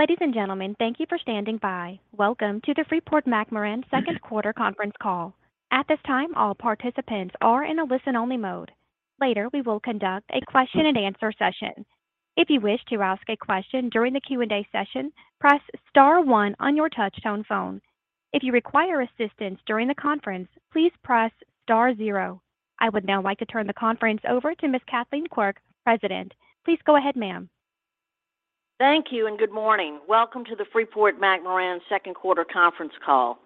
Ladies and gentlemen, thank you for standing by. Welcome to the Freeport-McMoRan second quarter conference call. At this time, all participants are in a listen-only mode. Later, we will conduct a question and answer session. If you wish to ask a question during the Q&A session, press star one on your touch-tone phone. If you require assistance during the conference, please press star zero. I would now like to turn the conference over to Ms. Kathleen Quirk, President. Please go ahead, ma'am. Thank you and good morning. Welcome to the Freeport-McMoRan second quarter conference call.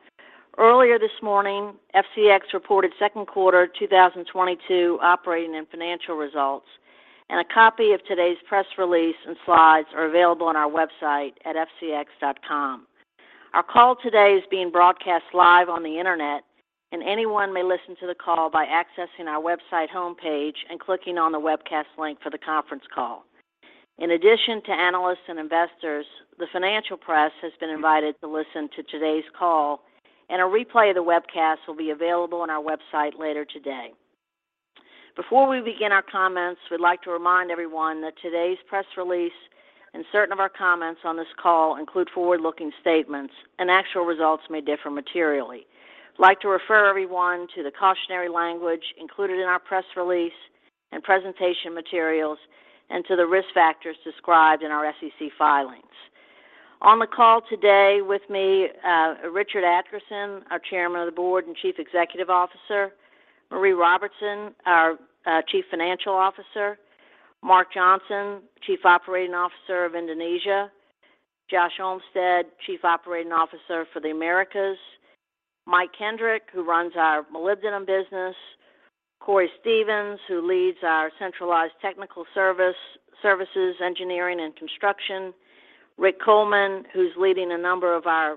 Earlier this morning, FCX reported second quarter 2022 operating and financial results, and a copy of today's press release and slides are available on our website at fcx.com. Our call today is being broadcast live on the Internet, and anyone may listen to the call by accessing our website homepage and clicking on the webcast link for the conference call. In addition to analysts and investors, the financial press has been invited to listen to today's call, and a replay of the webcast will be available on our website later today. Before we begin our comments, we'd like to remind everyone that today's press release and certain of our comments on this call include forward-looking statements, and actual results may differ materially. I'd like to refer everyone to the cautionary language included in our press release and presentation materials and to the risk factors described in our SEC filings. On the call today with me, Richard Adkerson, our Chairman of the Board and Chief Executive Officer. Maree Robertson, our Chief Financial Officer. Mark Johnson, Chief Operating Officer of Indonesia. Josh Olmsted, Chief Operating Officer for the Americas. Mike Kendrick, who runs our molybdenum business. Cory Stevens, who leads our centralized technical services, engineering, and construction. Rick Coleman, who's leading a number of our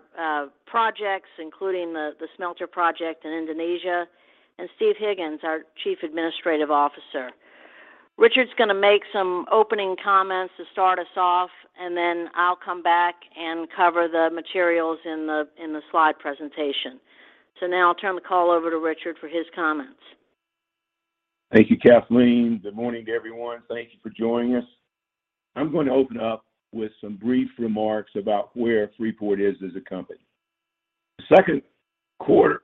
projects, including the smelter project in Indonesia, and Steve Higgins, our Chief Administrative Officer. Richard's gonna make some opening comments to start us off, and then I'll come back and cover the materials in the slide presentation. Now I'll turn the call over to Richard for his comments. Thank you, Kathleen. Good morning to everyone. Thank you for joining us. I'm going to open up with some brief remarks about where Freeport is as a company. The second quarter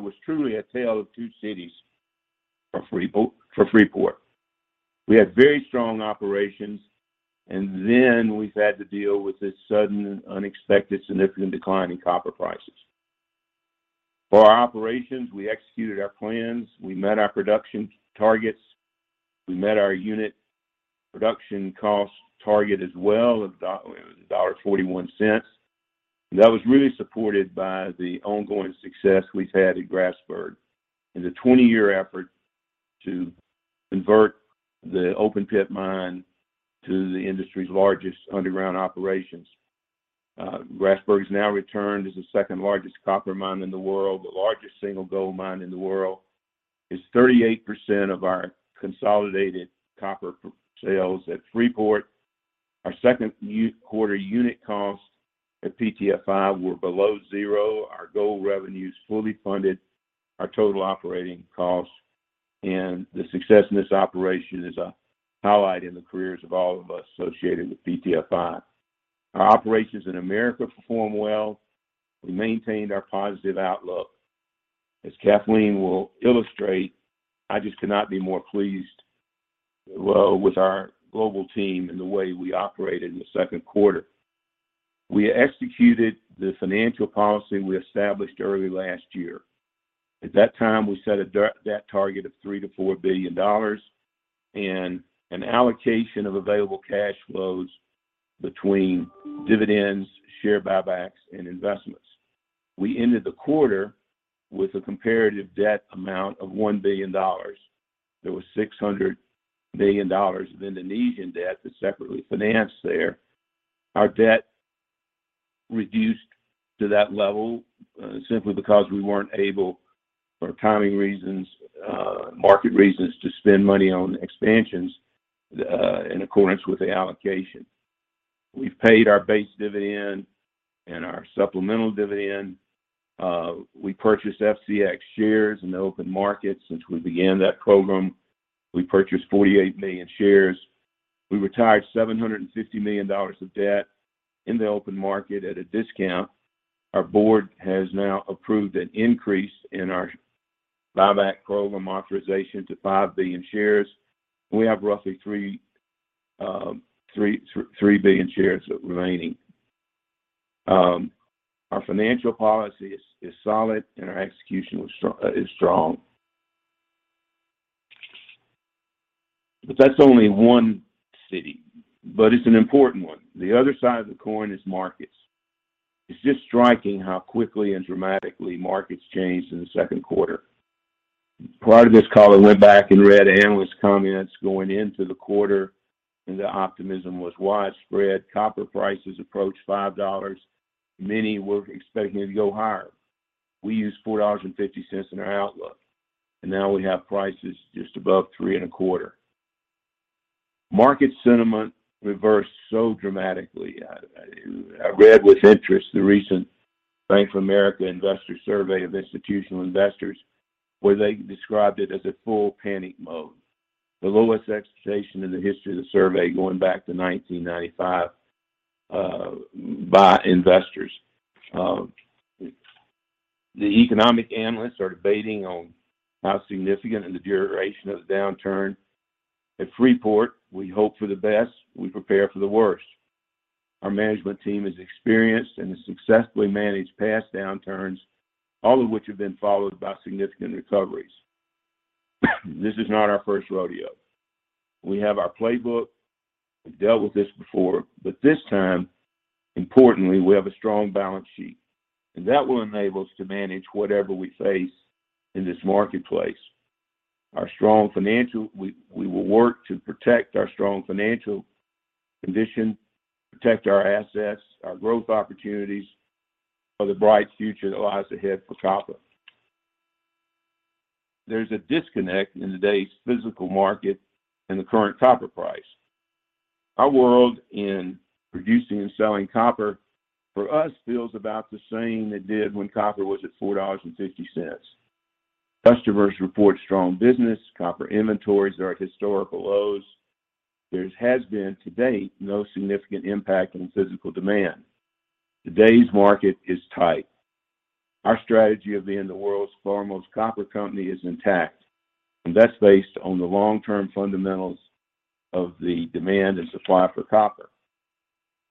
was truly a tale of two cities for Freeport. We had very strong operations, and then we've had to deal with this sudden and unexpected significant decline in copper prices. For our operations, we executed our plans. We met our production targets. We met our unit production cost target as well. It was $1.41. That was really supported by the ongoing success we've had at Grasberg in the 20-year effort to convert the open pit mine to the industry's largest underground operations. Grasberg's now returned as the second-largest copper mine in the world, the largest single gold mine in the world. It's 38% of our consolidated copper sales at Freeport. Our second quarter unit costs at PTFI were below zero. Our gold revenues fully funded our total operating costs, and the success in this operation is a highlight in the careers of all of us associated with PTFI. Our operations in America performed well. We maintained our positive outlook. As Kathleen will illustrate, I just cannot be more pleased, well, with our global team and the way we operated in the second quarter. We executed the financial policy we established early last year. At that time, we set a debt target of $3 billion-$4 billion and an allocation of available cash flows between dividends, share buybacks, and investments. We ended the quarter with a comparative debt amount of $1 billion. There was $600 million of Indonesian debt that's separately financed there. Our debt reduced to that level simply because we weren't able, for timing reasons, market reasons, to spend money on expansions in accordance with the allocation. We've paid our base dividend and our supplemental dividend. We purchased FCX shares in the open market. Since we began that program, we purchased 48 million shares. We retired $750 million of debt in the open market at a discount. Our board has now approved an increase in our buyback program authorization to five billion shares. We have roughly three billion shares remaining. Our financial policy is solid, and our execution is strong. That's only one side, but it's an important one. The other side of the coin is markets. It's just striking how quickly and dramatically markets changed in the second quarter. Prior to this call, I went back and read analyst comments going into the quarter, and the optimism was widespread. Copper prices approached $5. Many were expecting it to go higher. We used $4.50 in our outlook, and now we have prices just above $3.25. Market sentiment reversed so dramatically. I read with interest the recent Bank of America investor survey of institutional investors where they described it as a full panic mode, the lowest expectation in the history of the survey going back to 1995 by investors. The economic analysts are debating on how significant in the duration of the downturn. At Freeport, we hope for the best, we prepare for the worst. Our management team is experienced and has successfully managed past downturns, all of which have been followed by significant recoveries. This is not our first rodeo. We have our playbook. We've dealt with this before. This time, importantly, we have a strong balance sheet, and that will enable us to manage whatever we face in this marketplace. We will work to protect our strong financial condition, protect our assets, our growth opportunities for the bright future that lies ahead for copper. There's a disconnect in today's physical market and the current copper price. Our world in producing and selling copper for us feels about the same it did when copper was at $4.50. Customers report strong business. Copper inventories are at historical lows. There has been, to date, no significant impact on physical demand. Today's market is tight. Our strategy of being the world's foremost copper company is intact, and that's based on the long-term fundamentals of the demand and supply for copper.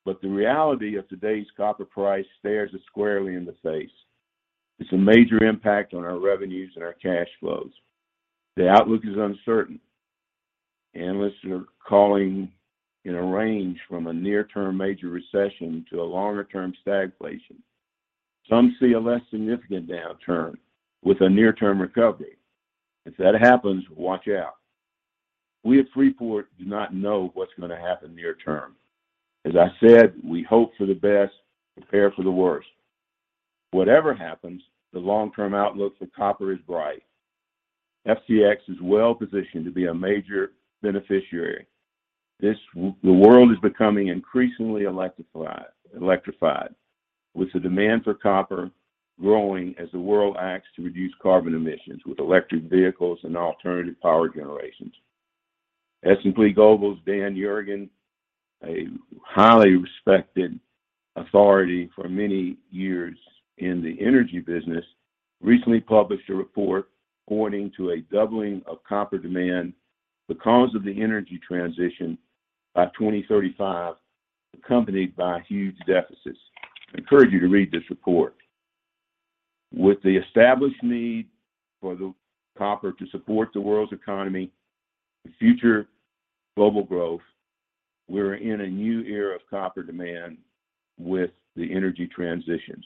The reality of today's copper price stares us squarely in the face. It's a major impact on our revenues and our cash flows. The outlook is uncertain. Analysts are calling in a range from a near-term major recession to a longer-term stagflation. Some see a less significant downturn with a near-term recovery. If that happens, watch out. We at Freeport do not know what's going to happen near term. As I said, we hope for the best, prepare for the worst. Whatever happens, the long-term outlook for copper is bright. FCX is well-positioned to be a major beneficiary. The world is becoming increasingly electrified, with the demand for copper growing as the world acts to reduce carbon emissions with electric vehicles and alternative power generations. S&P Global's Daniel Yergin, a highly respected authority for many years in the energy business, recently published a report pointing to a doubling of copper demand because of the energy transition by 2035, accompanied by huge deficits. I encourage you to read this report. With the established need for the copper to support the world's economy and future global growth, we're in a new era of copper demand with the energy transitions.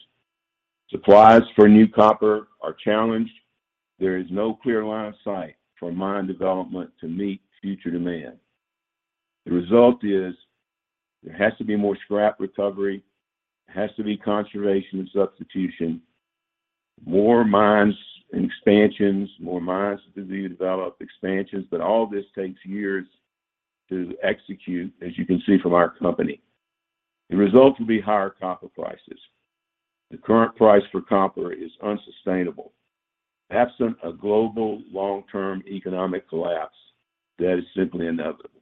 Supplies for new copper are challenged. There is no clear line of sight for mine development to meet future demand. The result is there has to be more scrap recovery, there has to be conservation and substitution, more mines and expansions, more mines to be developed, expansions, but all this takes years to execute, as you can see from our company. The result will be higher copper prices. The current price for copper is unsustainable. Absent a global long-term economic collapse, that is simply inevitable.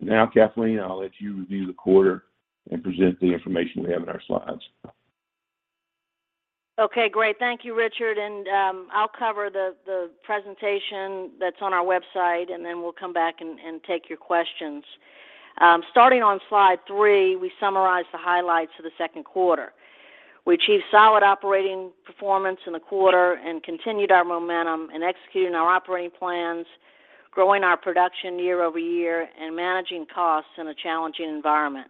Now, Kathleen, I'll let you review the quarter and present the information we have in our slides. Okay, great. Thank you, Richard, and I'll cover the presentation that's on our website, and then we'll come back and take your questions. Starting on slide three, we summarize the highlights of the second quarter. We achieved solid operating performance in the quarter and continued our momentum in executing our operating plans, growing our production year-over-year, and managing costs in a challenging environment.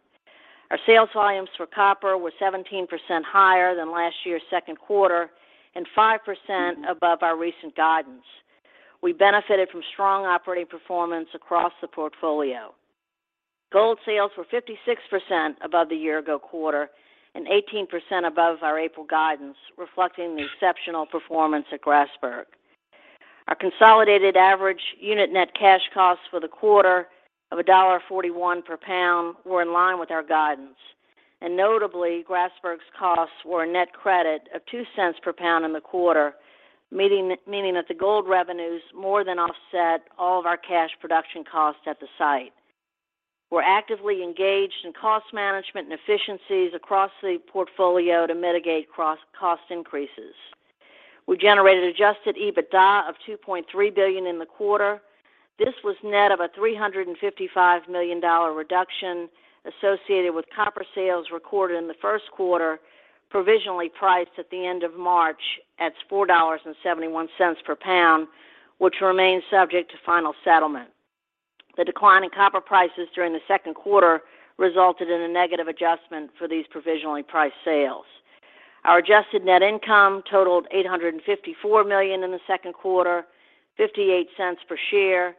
Our sales volumes for copper were 17% higher than last year's second quarter and 5% above our recent guidance. We benefited from strong operating performance across the portfolio. Gold sales were 56% above the year-ago quarter and 18% above our April guidance, reflecting the exceptional performance at Grasberg. Our consolidated average unit net cash costs for the quarter of $1.41 per pound were in line with our guidance. Notably, Grasberg's costs were a net credit of $0.02 per pound in the quarter, meaning that the gold revenues more than offset all of our cash production costs at the site. We're actively engaged in cost management and efficiencies across the portfolio to mitigate cost increases. We generated adjusted EBITDA of $2.3 billion in the quarter. This was net of a $355 million reduction associated with copper sales recorded in the first quarter, provisionally priced at the end of March at $4.71 per pound, which remains subject to final settlement. The decline in copper prices during the second quarter resulted in a negative adjustment for these provisionally priced sales. Our adjusted net income totaled $854 million in the second quarter, $0.58 per share.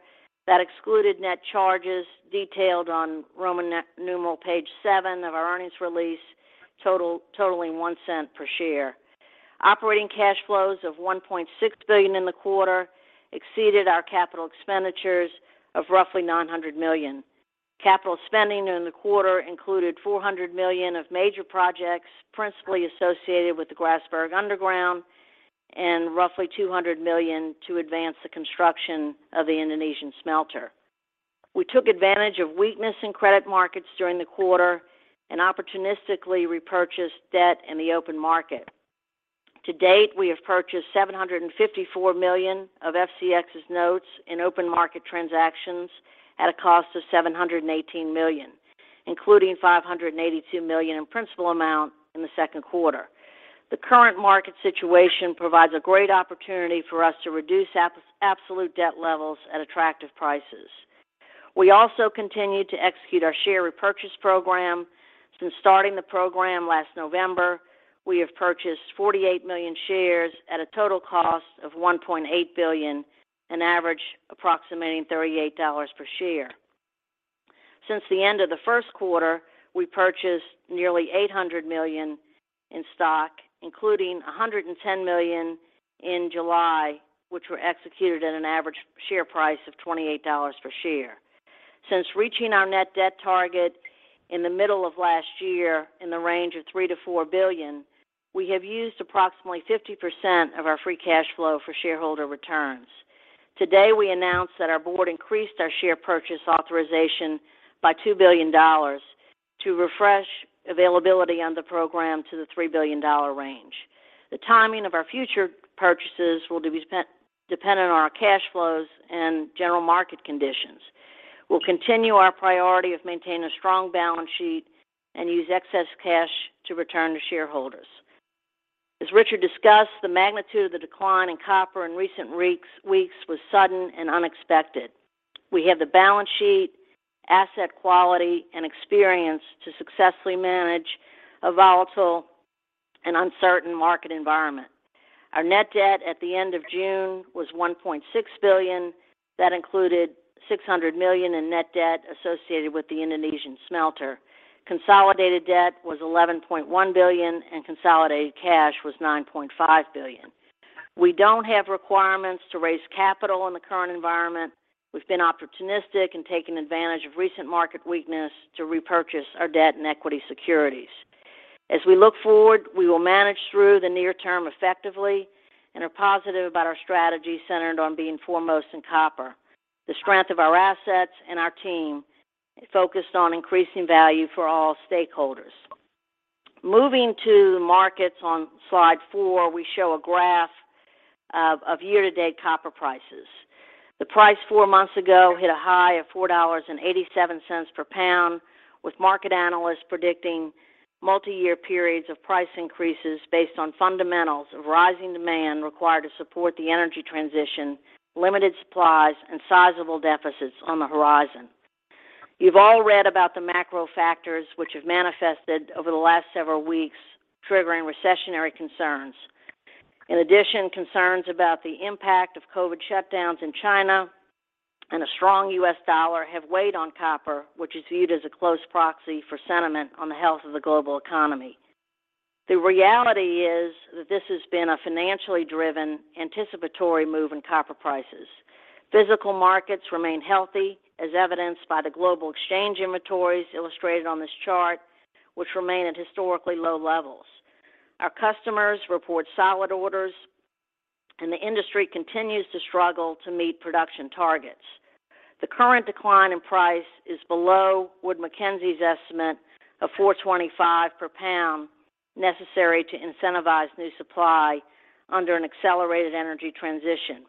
That excluded net charges detailed on Roman numeral page seven of our earnings release, totaling $0.01 per share. Operating cash flows of $1.6 billion in the quarter exceeded our capital expenditures of roughly $900 million. Capital spending in the quarter included $400 million of major projects, principally associated with the Grasberg underground and roughly $200 million to advance the construction of the Indonesian smelter. We took advantage of weakness in credit markets during the quarter and opportunistically repurchased debt in the open market. To date, we have purchased $754 million of FCX's notes in open market transactions at a cost of $718 million, including $582 million in principal amount in the second quarter. The current market situation provides a great opportunity for us to reduce absolute debt levels at attractive prices. We continue to execute our share repurchase program. Since starting the program last November, we have purchased 48 million shares at a total cost of $1.8 billion, an average approximating $38 per share. Since the end of the first quarter, we purchased nearly $800 million in stock, including $110 million in July, which were executed at an average share price of $28 per share. Since reaching our net debt target in the middle of last year in the range of $3 billion-$4 billion, we have used approximately 50% of our free cash flow for shareholder returns. Today, we announced that our board increased our share purchase authorization by $2 billion to refresh availability on the program to the $3 billion range. The timing of our future purchases will be dependent on our cash flows and general market conditions. We'll continue our priority of maintaining a strong balance sheet and use excess cash to return to shareholders. As Richard discussed, the magnitude of the decline in copper in recent weeks was sudden and unexpected. We have the balance sheet, asset quality, and experience to successfully manage a volatile and uncertain market environment. Our net debt at the end of June was $1.6 billion. That included $600 million in net debt associated with the Indonesian smelter. Consolidated debt was $11.1 billion, and consolidated cash was $9.5 billion. We don't have requirements to raise capital in the current environment. We've been opportunistic and taken advantage of recent market weakness to repurchase our debt and equity securities. As we look forward, we will manage through the near term effectively and are positive about our strategy centered on being foremost in copper, the strength of our assets and our team focused on increasing value for all stakeholders. Moving to markets on slide four, we show a graph of year-to-date copper prices. The price four months ago hit a high of $4.87 per pound, with market analysts predicting multi-year periods of price increases based on fundamentals of rising demand required to support the energy transition, limited supplies, and sizable deficits on the horizon. You've all read about the macro factors which have manifested over the last several weeks, triggering recessionary concerns. In addition, concerns about the impact of COVID shutdowns in China and a strong U.S. dollar have weighed on copper, which is viewed as a close proxy for sentiment on the health of the global economy. The reality is that this has been a financially driven anticipatory move in copper prices. Physical markets remain healthy, as evidenced by the global exchange inventories illustrated on this chart, which remain at historically low levels. Our customers report solid orders, and the industry continues to struggle to meet production targets. The current decline in price is below Wood Mackenzie's estimate of $4.25 per pound necessary to incentivize new supply under an accelerated energy transition.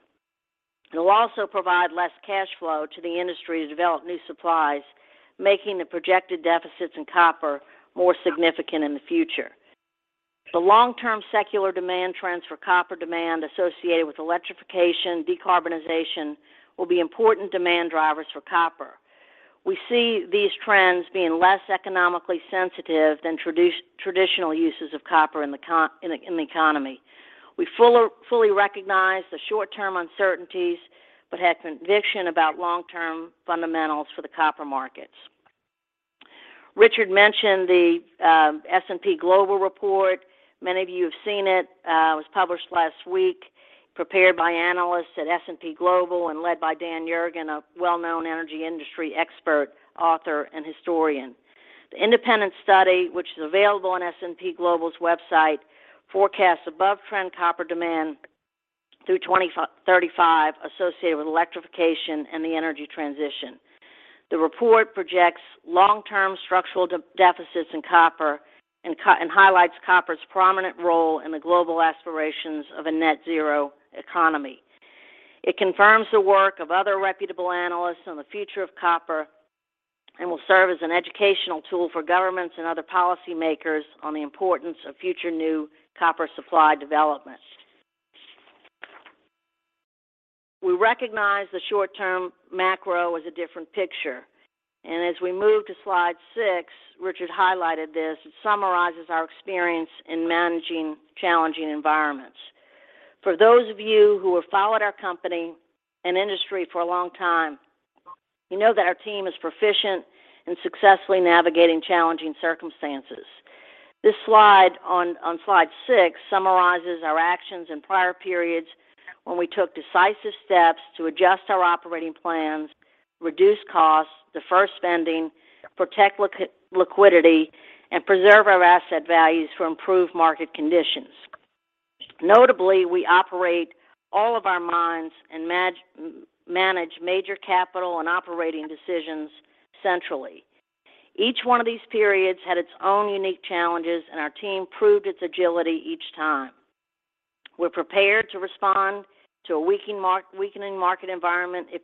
It will also provide less cash flow to the industry to develop new supplies, making the projected deficits in copper more significant in the future. The long-term secular demand trends for copper demand associated with electrification, decarbonization will be important demand drivers for copper. We see these trends being less economically sensitive than traditional uses of copper in the economy. We fully recognize the short-term uncertainties but have conviction about long-term fundamentals for the copper markets. Richard mentioned the S&P Global report. Many of you have seen it. It was published last week, prepared by analysts at S&P Global and led by Dan Yergin, a well-known energy industry expert, author, and historian. The independent study, which is available on S&P Global's website, forecasts above-trend copper demand through 2035 associated with electrification and the energy transition. The report projects long-term structural deficits in copper and highlights copper's prominent role in the global aspirations of a net zero economy. It confirms the work of other reputable analysts on the future of copper and will serve as an educational tool for governments and other policymakers on the importance of future new copper supply developments. We recognize the short-term macro is a different picture. As we move to slide six, Richard highlighted this. It summarizes our experience in managing challenging environments. For those of you who have followed our company and industry for a long time, you know that our team is proficient in successfully navigating challenging circumstances. This slide on slide six summarizes our actions in prior periods when we took decisive steps to adjust our operating plans, reduce costs, defer spending, protect liquidity, and preserve our asset values for improved market conditions. Notably, we operate all of our mines and manage major capital and operating decisions centrally. Each one of these periods had its own unique challenges, and our team proved its agility each time. We're prepared to respond to a weakening market environment if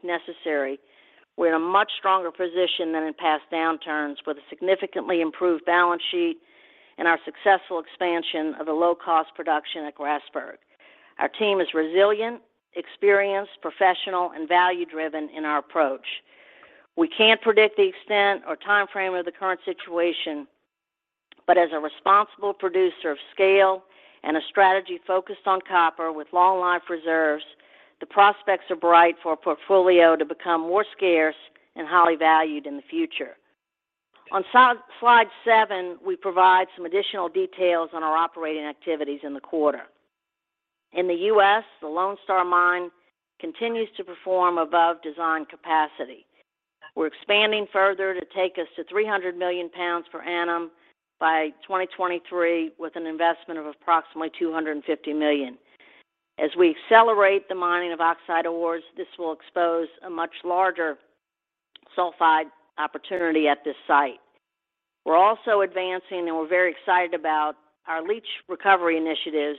necessary. We're in a much stronger position than in past downturns with a significantly improved balance sheet and our successful expansion of the low-cost production at Grasberg. Our team is resilient, experienced, professional, and value-driven in our approach. We can't predict the extent or timeframe of the current situation, but as a responsible producer of scale and a strategy focused on copper with long life reserves, the prospects are bright for our portfolio to become more scarce and highly valued in the future. On slide seven, we provide some additional details on our operating activities in the quarter. In the U.S., the Lone Star Mine continues to perform above design capacity. We're expanding further to take us to 300 million pounds per annum by 2023, with an investment of approximately $250 million. As we accelerate the mining of oxide ores, this will expose a much larger sulfide opportunity at this site. We're also advancing, and we're very excited about our leach recovery initiatives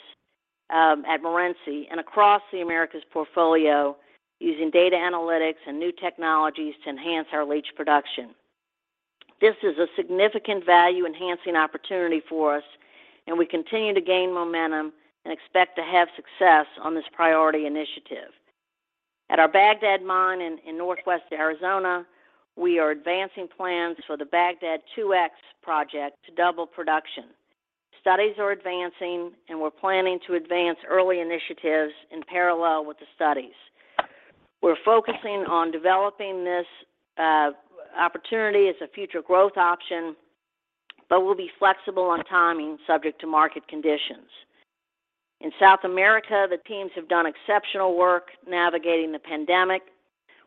at Morenci and across the Americas portfolio using data analytics and new technologies to enhance our leach production. This is a significant value-enhancing opportunity for us, and we continue to gain momentum and expect to have success on this priority initiative. At our Bagdad Mine in northwest Arizona, we are advancing plans for the Bagdad 2X project to double production. Studies are advancing, and we're planning to advance early initiatives in parallel with the studies. We're focusing on developing this opportunity as a future growth option, but we'll be flexible on timing subject to market conditions. In South America, the teams have done exceptional work navigating the pandemic.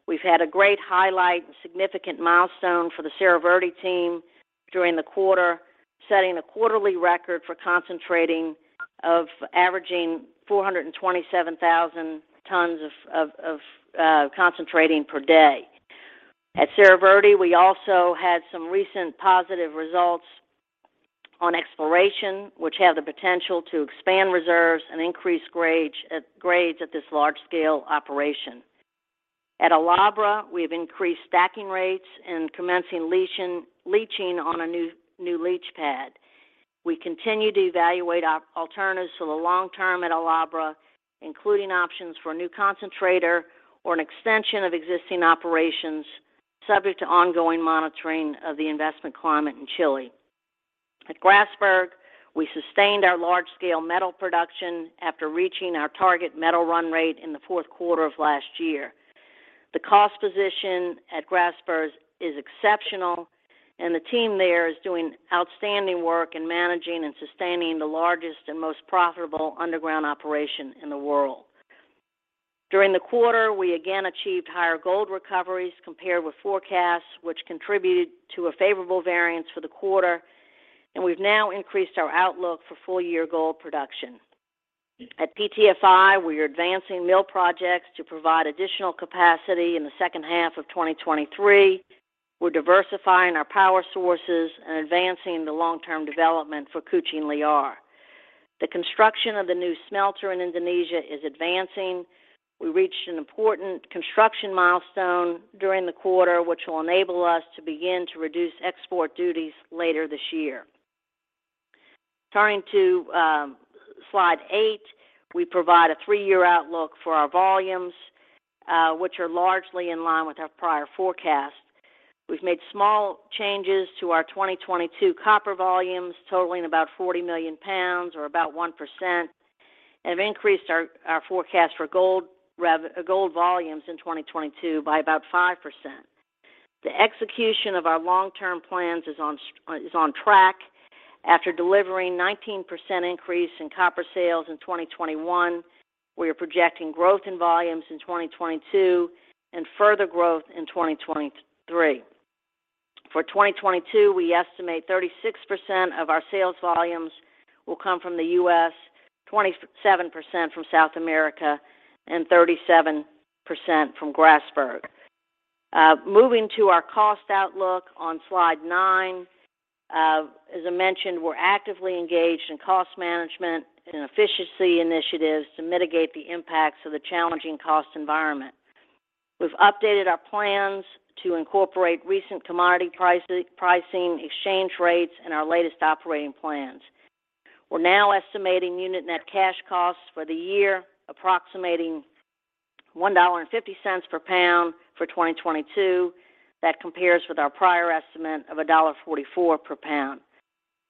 We've had a great highlight and significant milestone for the Cerro Verde team during the quarter, setting a quarterly record for concentrating, averaging 427,000 tons of concentrate per day. At Cerro Verde, we also had some recent positive results on exploration, which have the potential to expand reserves and increase grades at this large-scale operation. At El Abra, we have increased stacking rates and commencing leaching on a new leach pad. We continue to evaluate our alternatives for the long term at El Abra, including options for a new concentrator or an extension of existing operations subject to ongoing monitoring of the investment climate in Chile. At Grasberg, we sustained our large-scale metal production after reaching our target metal run rate in the fourth quarter of last year. The cost position at Grasberg is exceptional, and the team there is doing outstanding work in managing and sustaining the largest and most profitable underground operation in the world. During the quarter, we again achieved higher gold recoveries compared with forecasts, which contributed to a favorable variance for the quarter, and we've now increased our outlook for full-year gold production. At PTFI, we are advancing mill projects to provide additional capacity in the second half of 2023. We're diversifying our power sources and advancing the long-term development for Kucing Liar. The construction of the new smelter in Indonesia is advancing. We reached an important construction milestone during the quarter, which will enable us to begin to reduce export duties later this year. Turning to slide eight, we provide a three-year outlook for our volumes, which are largely in line with our prior forecast. We've made small changes to our 2022 copper volumes, totaling about 40 million pounds or about 1%, and have increased our forecast for gold volumes in 2022 by about 5%. The execution of our long-term plans is on track. After delivering 19% increase in copper sales in 2021, we are projecting growth in volumes in 2022 and further growth in 2023. For 2022, we estimate 36% of our sales volumes will come from the U.S., 27% from South America, and 37% from Grasberg. Moving to our cost outlook on slide nine. As I mentioned, we're actively engaged in cost management and efficiency initiatives to mitigate the impacts of the challenging cost environment. We've updated our plans to incorporate recent commodity pricing, exchange rates, and our latest operating plans. We're now estimating unit net cash costs for the year approximating $1.50 per pound for 2022. That compares with our prior estimate of $1.44 per pound.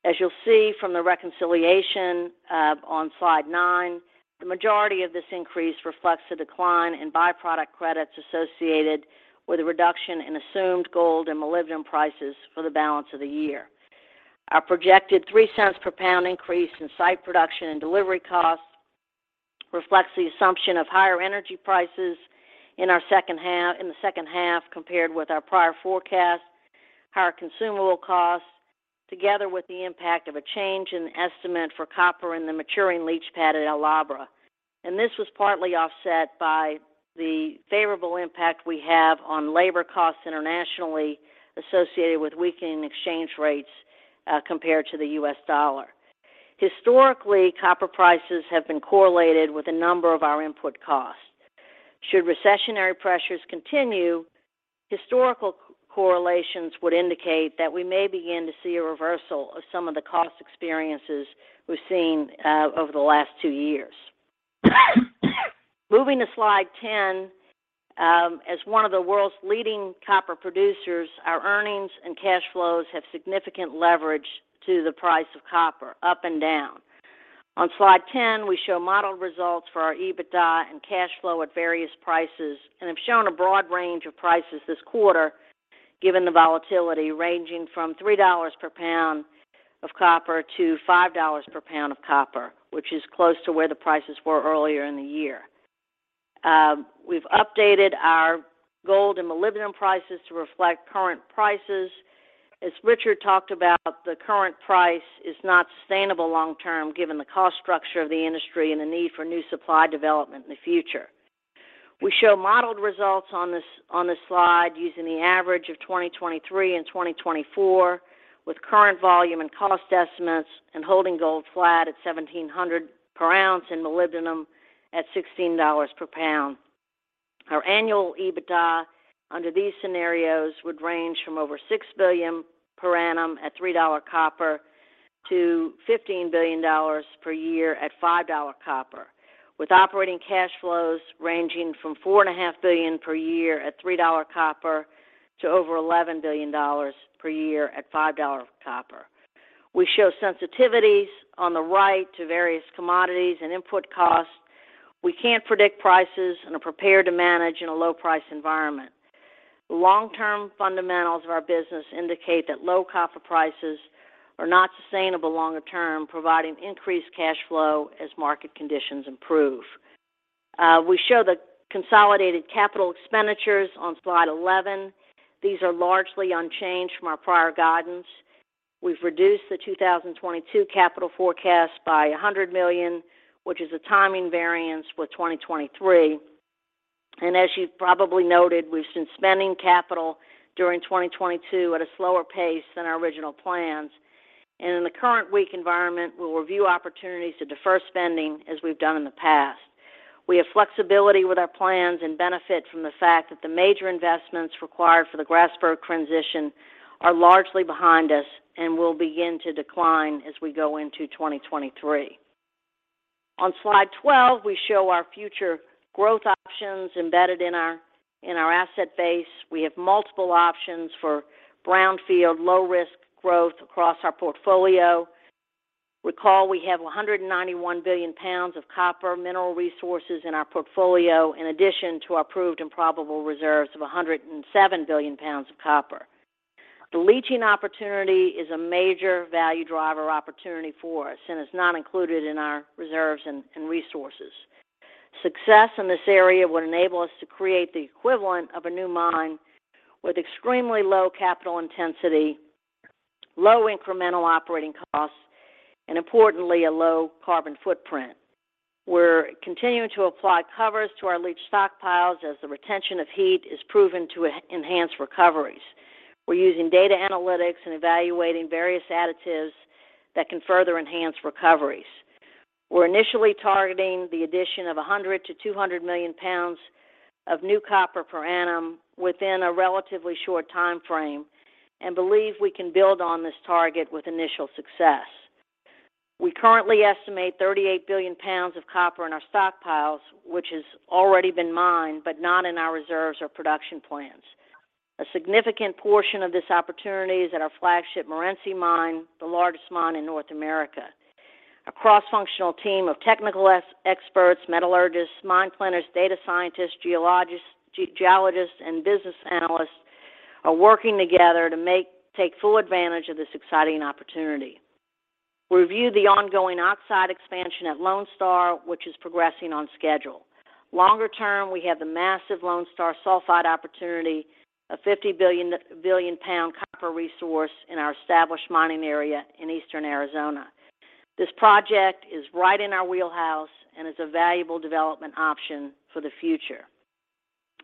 As you'll see from the reconciliation on slide nine, the majority of this increase reflects the decline in byproduct credits associated with a reduction in assumed gold and molybdenum prices for the balance of the year. Our projected $0.03 per pound increase in site production and delivery costs reflects the assumption of higher energy prices in the second half compared with our prior forecast, higher consumable costs, together with the impact of a change in the estimate for copper in the maturing leach pad at El Abra. This was partly offset by the favorable impact we have on labor costs internationally associated with weakening exchange rates compared to the U.S. dollar. Historically, copper prices have been correlated with a number of our input costs. Should recessionary pressures continue, historical correlations would indicate that we may begin to see a reversal of some of the cost experiences we've seen over the last two years. Moving to slide 10, as one of the world's leading copper producers, our earnings and cash flows have significant leverage to the price of copper up and down. On slide 10, we show modeled results for our EBITDA and cash flow at various prices, and have shown a broad range of prices this quarter, given the volatility ranging from $3-$5 per pound of copper, which is close to where the prices were earlier in the year. We've updated our gold and molybdenum prices to reflect current prices. As Richard talked about, the current price is not sustainable long-term, given the cost structure of the industry and the need for new supply development in the future. We show modeled results on this slide using the average of 2023 and 2024, with current volume and cost estimates and holding gold flat at $1,700 per ounce and molybdenum at $16 per pound. Our annual EBITDA under these scenarios would range from over $6 billion per annum at $3 copper to $15 billion per year at $5 copper, with operating cash flows ranging from $4.5 billion per year at $3 copper to over $11 billion per year at $5 copper. We show sensitivities on the right to various commodities and input costs. We can't predict prices and are prepared to manage in a low price environment. Long-term fundamentals of our business indicate that low copper prices are not sustainable longer term, providing increased cash flow as market conditions improve. We show the consolidated capital expenditures on slide 11. These are largely unchanged from our prior guidance. We've reduced the 2022 capital forecast by $100 million, which is a timing variance with 2023. As you've probably noted, we've been spending capital during 2022 at a slower pace than our original plans. In the current weak environment, we'll review opportunities to defer spending as we've done in the past. We have flexibility with our plans and benefit from the fact that the major investments required for the Grasberg transition are largely behind us and will begin to decline as we go into 2023. On slide 12, we show our future growth options embedded in our asset base. We have multiple options for brownfield, low risk growth across our portfolio. Recall we have 191 billion pounds of copper mineral resources in our portfolio in addition to our proved and probable reserves of 107 billion pounds of copper. The leaching opportunity is a major value driver opportunity for us, and it's not included in our reserves and resources. Success in this area would enable us to create the equivalent of a new mine with extremely low capital intensity, low incremental operating costs, and importantly, a low carbon footprint. We're continuing to apply covers to our leach stockpiles as the retention of heat is proven to enhance recoveries. We're using data analytics and evaluating various additives that can further enhance recoveries. We're initially targeting the addition of 100 million-200 million pounds of new copper per annum within a relatively short time frame and believe we can build on this target with initial success. We currently estimate 38 billion pounds of copper in our stockpiles, which has already been mined, but not in our reserves or production plans. A significant portion of this opportunity is at our flagship Morenci mine, the largest mine in North America. A cross-functional team of technical experts, metallurgists, mine planners, data scientists, geologists, and business analysts are working together to take full advantage of this exciting opportunity. We review the ongoing oxide expansion at Lone Star, which is progressing on schedule. Longer term, we have the massive Lone Star sulfide opportunity, a 50 billion pound copper resource in our established mining area in eastern Arizona. This project is right in our wheelhouse and is a valuable development option for the future.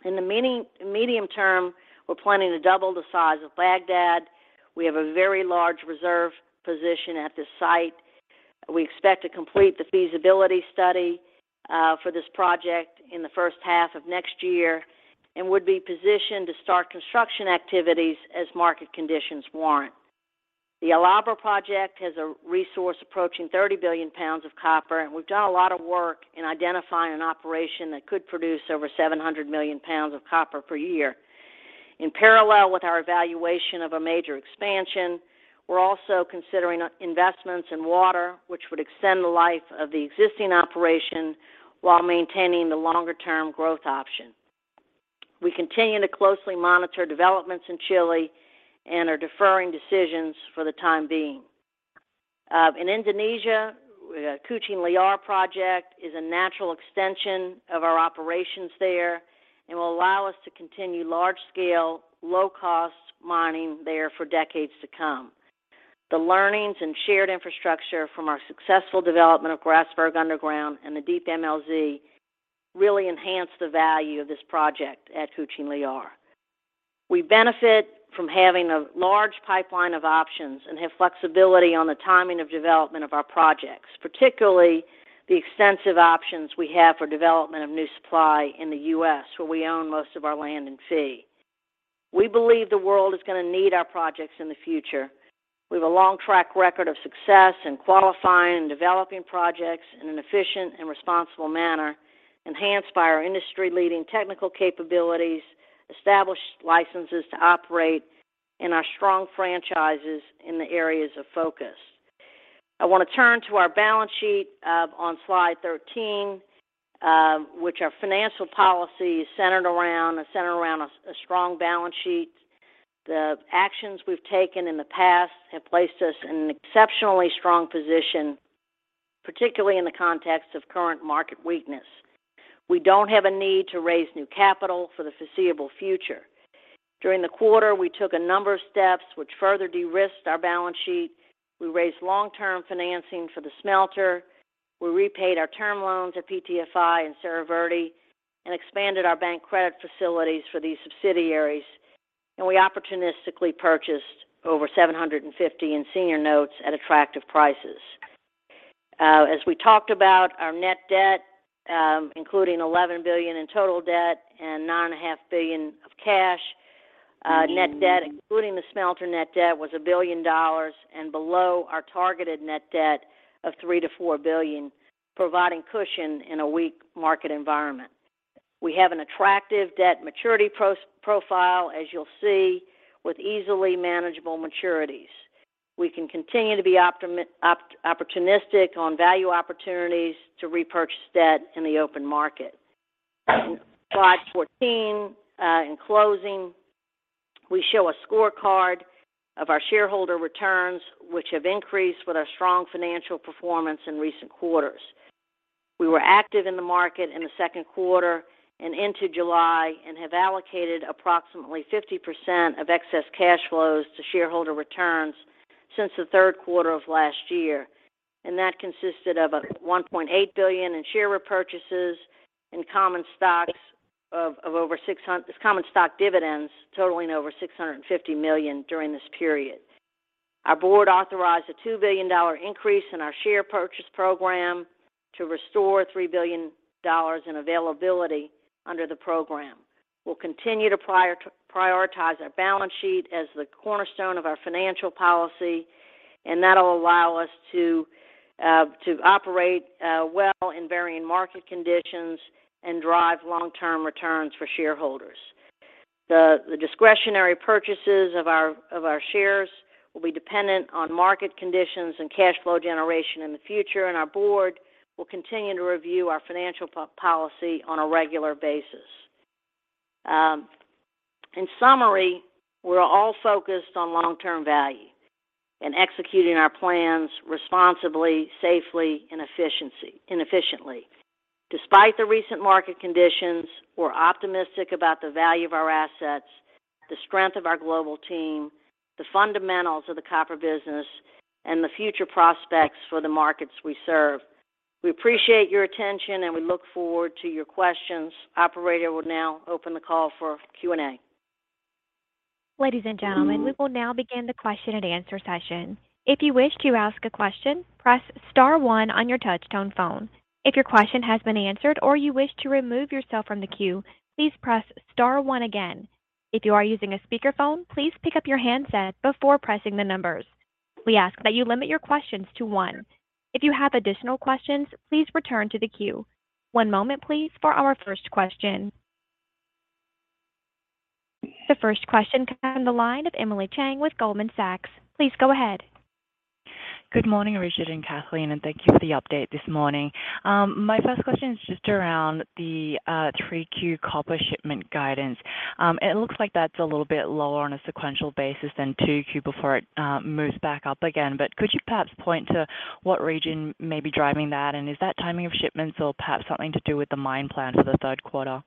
In the medium term, we're planning to double the size of Bagdad. We have a very large reserve position at this site. We expect to complete the feasibility study for this project in the first half of next year and would be positioned to start construction activities as market conditions warrant. The El Abra project has a resource approaching 30 billion pounds of copper, and we've done a lot of work in identifying an operation that could produce over 700 million pounds of copper per year. In parallel with our evaluation of a major expansion, we're also considering investments in water, which would extend the life of the existing operation while maintaining the longer-term growth option. We continue to closely monitor developments in Chile and are deferring decisions for the time being. In Indonesia, the Kucing Liar project is a natural extension of our operations there and will allow us to continue large-scale, low-cost mining there for decades to come. The learnings and shared infrastructure from our successful development of Grasberg Underground and the deep MLZ really enhance the value of this project at Kucing Liar. We benefit from having a large pipeline of options and have flexibility on the timing of development of our projects, particularly the extensive options we have for development of new supply in the U.S., where we own most of our land and fee. We believe the world is gonna need our projects in the future. We have a long track record of success in qualifying and developing projects in an efficient and responsible manner, enhanced by our industry-leading technical capabilities, established licenses to operate and our strong franchises in the areas of focus. I want to turn to our balance sheet on slide 13, which our financial policy is centered around. It's centered around a strong balance sheet. The actions we've taken in the past have placed us in an exceptionally strong position, particularly in the context of current market weakness. We don't have a need to raise new capital for the foreseeable future. During the quarter, we took a number of steps which further de-risked our balance sheet. We raised long-term financing for the smelter. We repaid our term loans at PTFI and Cerro Verde and expanded our bank credit facilities for these subsidiaries. We opportunistically purchased over $750 million in senior notes at attractive prices. As we talked about, our net debt, including $11 billion in total debt and $9.5 billion of cash, net debt, including the smelter net debt, was $1 billion and below our targeted net debt of $3 billion-$4 billion, providing cushion in a weak market environment. We have an attractive debt maturity profile, as you'll see, with easily manageable maturities. We can continue to be opportunistic on value opportunities to repurchase debt in the open market. Slide 14, in closing, we show a scorecard of our shareholder returns, which have increased with our strong financial performance in recent quarters. We were active in the market in the second quarter and into July and have allocated approximately 50% of excess cash flows to shareholder returns since the third quarter of last year. That consisted of $1.8 billion in share repurchases and common stock dividends totaling over $650 million during this period. Our board authorized a $2 billion increase in our share purchase program to restore $3 billion in availability under the program. We'll continue to prioritize our balance sheet as the cornerstone of our financial policy, and that'll allow us to operate well in varying market conditions and drive long-term returns for shareholders. The discretionary purchases of our shares will be dependent on market conditions and cash flow generation in the future, and our board will continue to review our financial policy on a regular basis. In summary, we're all focused on long-term value and executing our plans responsibly, safely and efficiently. Despite the recent market conditions, we're optimistic about the value of our assets, the strength of our global team, the fundamentals of the copper business, and the future prospects for the markets we serve. We appreciate your attention, and we look forward to your questions. Operator will now open the call for Q&A. Ladies and gentlemen, we will now begin the question-and-answer session. If you wish to ask a question, press star one on your touchtone phone. If your question has been answered or you wish to remove yourself from the queue, please press star one again. If you are using a speakerphone, please pick up your handset before pressing the numbers. We ask that you limit your questions to one. If you have additional questions, please return to the queue. One moment, please, for our first question. The first question comes on the line of Emily Chang with Goldman Sachs. Please go ahead. Good morning, Richard and Kathleen, and thank you for the update this morning. My first question is just around the 3Q copper shipment guidance. It looks like that's a little bit lower on a sequential basis than 2Q before it moves back up again. Could you perhaps point to what region may be driving that? Is that timing of shipments or perhaps something to do with the mine plan for the third quarter?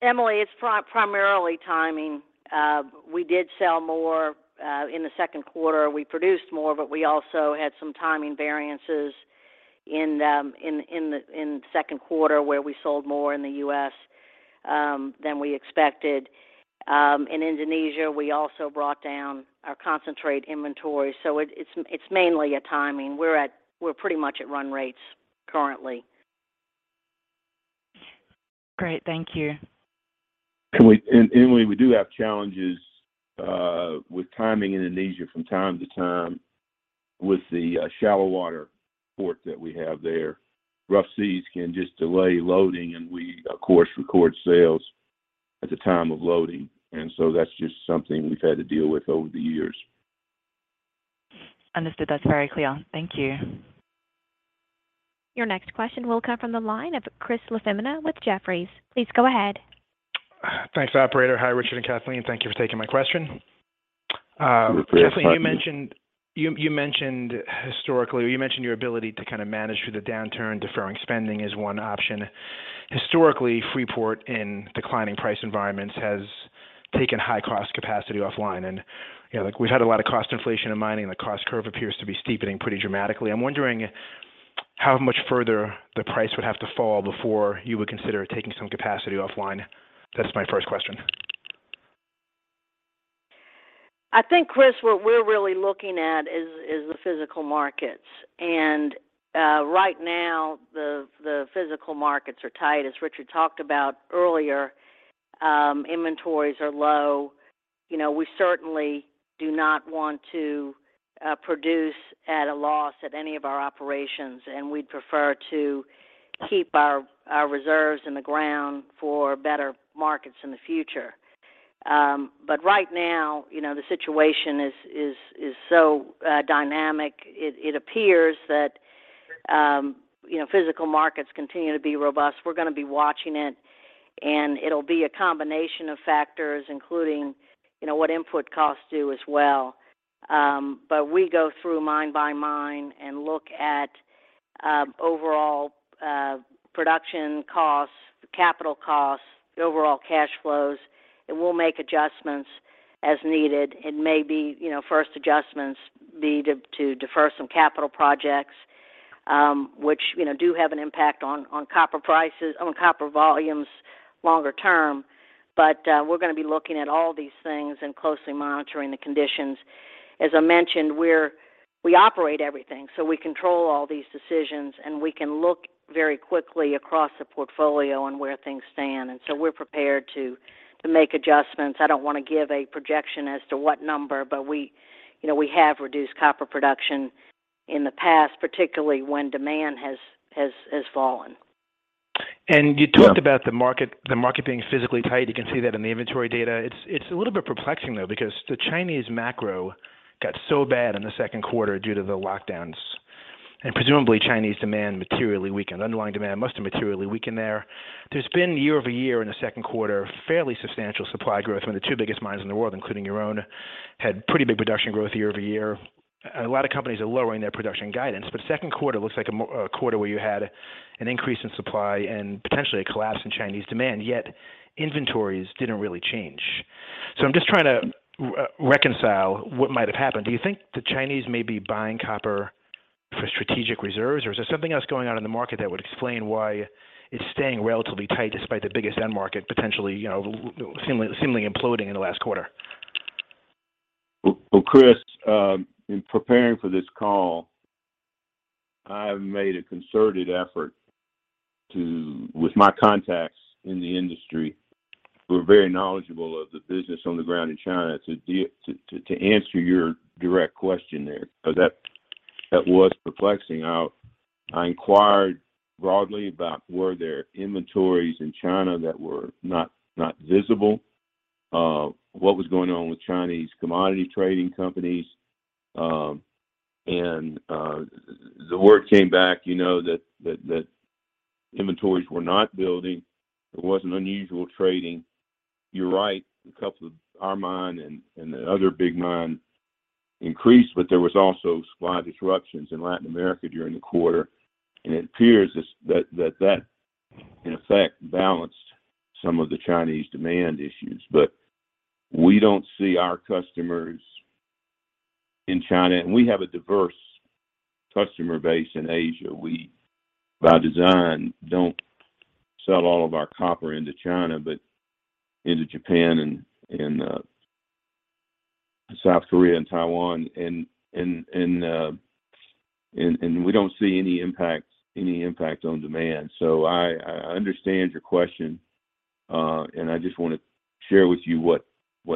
Emily, it's primarily timing. We did sell more in the second quarter. We produced more, but we also had some timing variances in the second quarter, where we sold more in the U.S. than we expected. In Indonesia, we also brought down our concentrate inventory. It's mainly a timing. We're pretty much at run rates currently. Great. Thank you. We do have challenges with timing in Indonesia from time to time with the shallow water port that we have there. Rough seas can just delay loading, and we of course record sales at the time of loading. That's just something we've had to deal with over the years. Understood. That's very clear. Thank you. Your next question will come from the line of Chris LaFemina with Jefferies. Please go ahead. Thanks, operator. Hi, Richard and Kathleen. Thank you for taking my question. We appreciate you. Kathleen, you mentioned your ability to kind of manage through the downturn, deferring spending is one option. Historically, Freeport in declining price environments has taken high cost capacity offline and, you know, like we've had a lot of cost inflation in mining. The cost curve appears to be steepening pretty dramatically. I'm wondering how much further the price would have to fall before you would consider taking some capacity offline. That's my first question. I think, Chris, what we're really looking at is the physical markets. Right now the physical markets are tight, as Richard talked about earlier. Inventories are low. You know, we certainly do not want to produce at a loss at any of our operations, and we'd prefer to keep our reserves in the ground for better markets in the future. Right now, you know, the situation is so dynamic. It appears that, you know, physical markets continue to be robust. We're gonna be watching it, and it'll be a combination of factors including, you know, what input costs do as well. We go through mine by mine and look at overall production costs, capital costs, the overall cash flows, and we'll make adjustments as needed. It may be, you know, first adjustments be to defer some capital projects, which, you know, do have an impact on copper volumes longer term. We're gonna be looking at all these things and closely monitoring the conditions. As I mentioned, we operate everything, so we control all these decisions, and we can look very quickly across the portfolio on where things stand, and so we're prepared to make adjustments. I don't wanna give a projection as to what number, but we, you know, we have reduced copper production in the past, particularly when demand has fallen. You talked about the market, the market being physically tight. You can see that in the inventory data. It's a little bit perplexing though, because the Chinese macro got so bad in the second quarter due to the lockdowns and presumably Chinese demand materially weakened. Underlying demand must have materially weakened there. There's been year-over-year in the second quarter, fairly substantial supply growth from the two biggest miners in the world, including your own, had pretty big production growth year-over-year. A lot of companies are lowering their production guidance, but second quarter looks like a quarter where you had an increase in supply and potentially a collapse in Chinese demand, yet inventories didn't really change. I'm just trying to reconcile what might have happened. Do you think the Chinese may be buying copper for strategic reserves, or is there something else going on in the market that would explain why it's staying relatively tight despite the biggest end market potentially, you know, seemingly imploding in the last quarter? Well, well, Chris, in preparing for this call, I've made a concerted effort to, with my contacts in the industry who are very knowledgeable of the business on the ground in China to answer your direct question there, 'cause that was perplexing. I inquired broadly about were there inventories in China that were not visible, what was going on with Chinese commodity trading companies. The word came back, you know, that inventories were not building. There wasn't unusual trading. You're right. A couple of our mine and the other big mine increased, but there was also supply disruptions in Latin America during the quarter. It appears as that in effect balanced some of the Chinese demand issues. We don't see our customers in China. We have a diverse customer base in Asia. We, by design, don't sell all of our copper into China, but into Japan and South Korea and Taiwan, and we don't see any impact on demand. I understand your question, and I just want to share with you what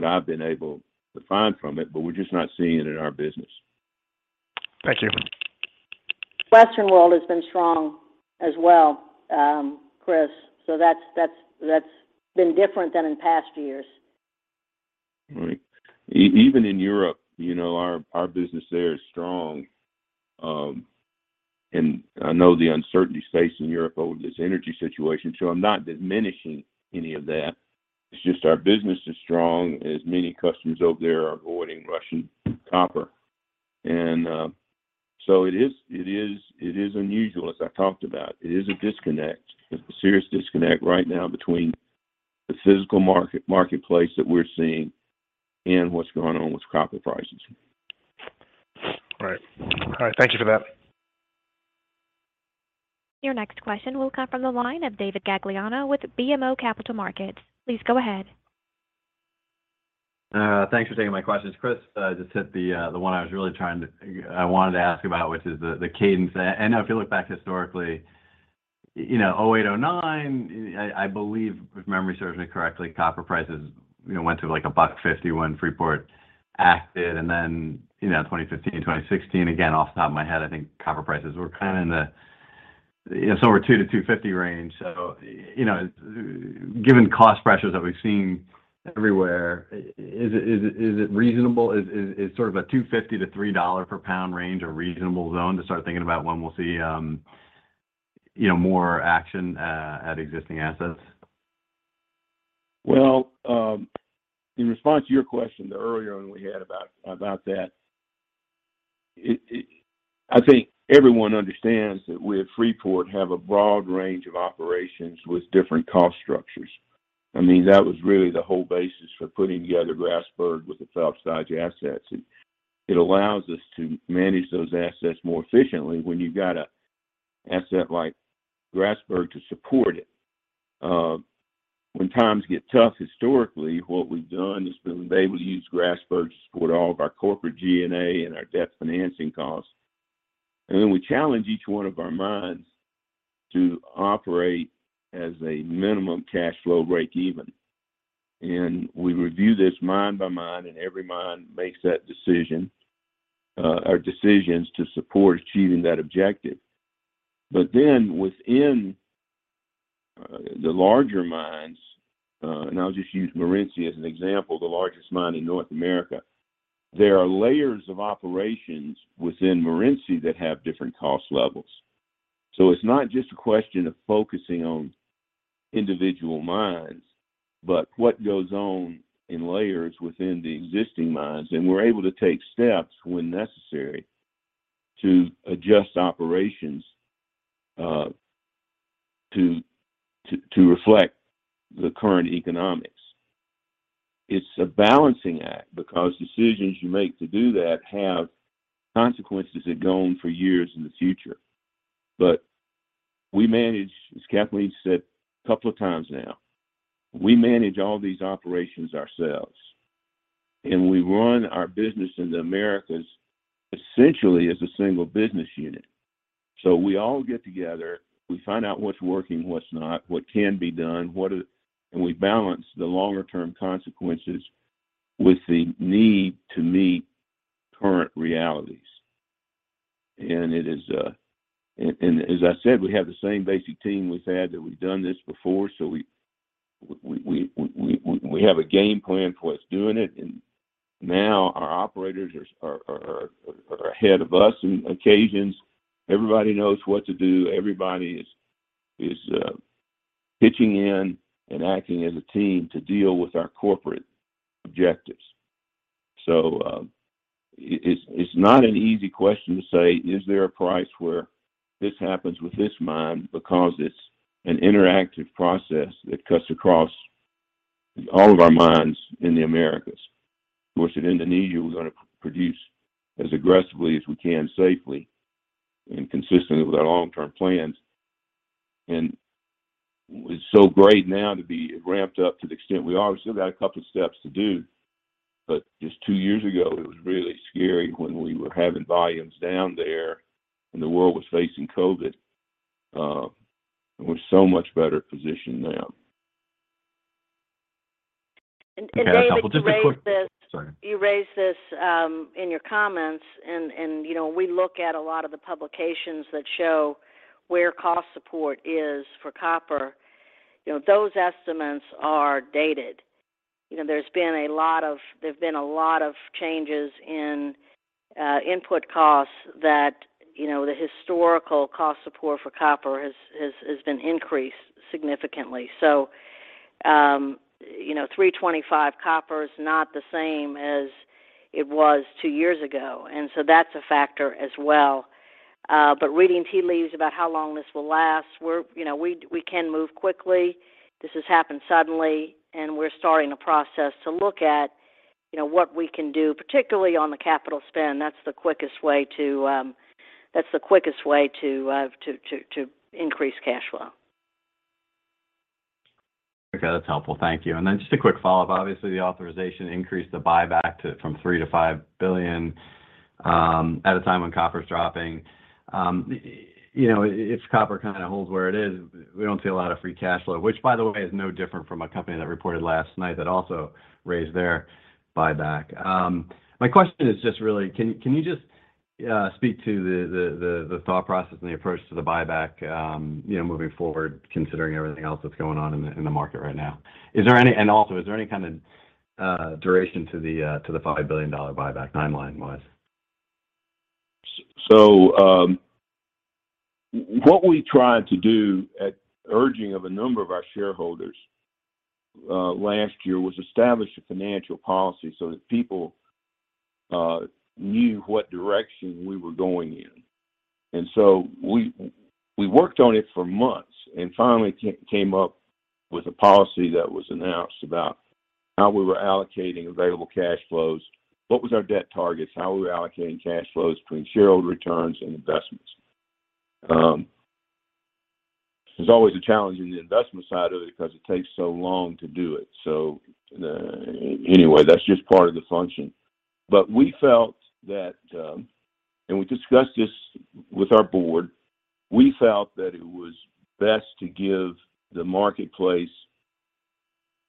I've been able to find from it, but we're just not seeing it in our business. Thank you. Western world has been strong as well, Chris, so that's been different than in past years. Right. Even in Europe, you know, our business there is strong. I know the uncertainty facing Europe over this energy situation, so I'm not diminishing any of that. It's just our business is strong as many customers over there are avoiding Russian copper. It is unusual as I talked about. It is a disconnect. There's a serious disconnect right now between the physical marketplace that we're seeing and what's going on with copper prices. All right, thank you for that. Your next question will come from the line of David Gagliano with BMO Capital Markets. Please go ahead. Thanks for taking my questions. Chris, just hit the one I wanted to ask about, which is the cadence. I know if you look back historically, you know, 2008, 2009, I believe, if memory serves me correctly, copper prices, you know, went to, like, $1.50 when Freeport acted. Then, you know, 2015, 2016, again, off the top of my head, I think copper prices were kind of in the $2-$2.50 range. You know, given cost pressures that we've seen everywhere, is it reasonable? Is sort of a $2.50-$3 per pound range a reasonable zone to start thinking about when we'll see, you know, more action at existing assets? In response to your question, the earlier one we had about that. I think everyone understands that we at Freeport have a broad range of operations with different cost structures. I mean, that was really the whole basis for putting together Grasberg with the Phelps Dodge assets. It allows us to manage those assets more efficiently when you've got an asset like Grasberg to support it. When times get tough historically, what we've done is been able to use Grasberg to support all of our corporate G&A and our debt financing costs. Then we challenge each one of our mines to operate as a minimum cash flow breakeven. We review this mine by mine, and every mine makes that decision or decisions to support achieving that objective. Within the larger mines, and I'll just use Morenci as an example, the largest mine in North America, there are layers of operations within Morenci that have different cost levels. It's not just a question of focusing on individual mines, but what goes on in layers within the existing mines, and we're able to take steps when necessary to adjust operations to reflect the current economics. It's a balancing act because decisions you make to do that have consequences that go on for years in the future. We manage, as Kathleen said a couple of times now, we manage all these operations ourselves, and we run our business in the Americas essentially as a single business unit. We all get together, we find out what's working, what's not, what can be done, what are the opportunities. We balance the longer term consequences with the need to meet current realities. It is as I said, we have the same basic team we've had that we've done this before, so we have a game plan for what's going on, and now our operators are ahead of us on occasion. Everybody knows what to do. Everybody is pitching in and acting as a team to deal with our corporate objectives. It's not an easy question to say, "Is there a price where this happens with this mine?" It's an interactive process that cuts across all of our mines in the Americas. Of course, in Indonesia, we're gonna produce as aggressively as we can safely and consistently with our long-term plans. It's so great now to be ramped up to the extent we are. We've still got a couple steps to do, but just two years ago it was really scary when we were having volumes down there and the world was facing COVID. We're so much better positioned now. Okay, that's helpful. David Gagliano, you raised this. Sorry. You raised this in your comments and, you know, we look at a lot of the publications that show where cost support is for copper. You know, those estimates are dated. You know, there've been a lot of changes in input costs that, you know, the historical cost support for copper has been increased significantly. You know, $3.25 copper is not the same as it was two years ago, and so that's a factor as well. Reading tea leaves about how long this will last, we're, you know, we can move quickly. This has happened suddenly, and we're starting a process to look at, you know, what we can do, particularly on the capital spend. That's the quickest way to increase cash flow. Okay. That's helpful. Thank you. Just a quick follow-up. Obviously, the authorization increased the buyback from $3 billion to $5 billion at a time when copper's dropping. You know, if copper kind of holds where it is, we don't see a lot of free cash flow, which by the way, is no different from a company that reported last night that also raised their buyback. My question is just really, can you just speak to the thought process and the approach to the buyback, you know, moving forward, considering everything else that's going on in the market right now? Is there any? Also, is there any kind of duration to the $5 billion buyback timeline-wise? What we tried to do at the urging of a number of our shareholders last year was to establish a financial policy so that people knew what direction we were going in. We worked on it for months and finally came up with a policy that was announced about how we were allocating available cash flows, what was our debt targets, how we were allocating cash flows between shareholder returns and investments. There's always a challenge in the investment side of it because it takes so long to do it. Anyway, that's just part of the function. We felt that, and we discussed this with our board, we felt that it was best to give the marketplace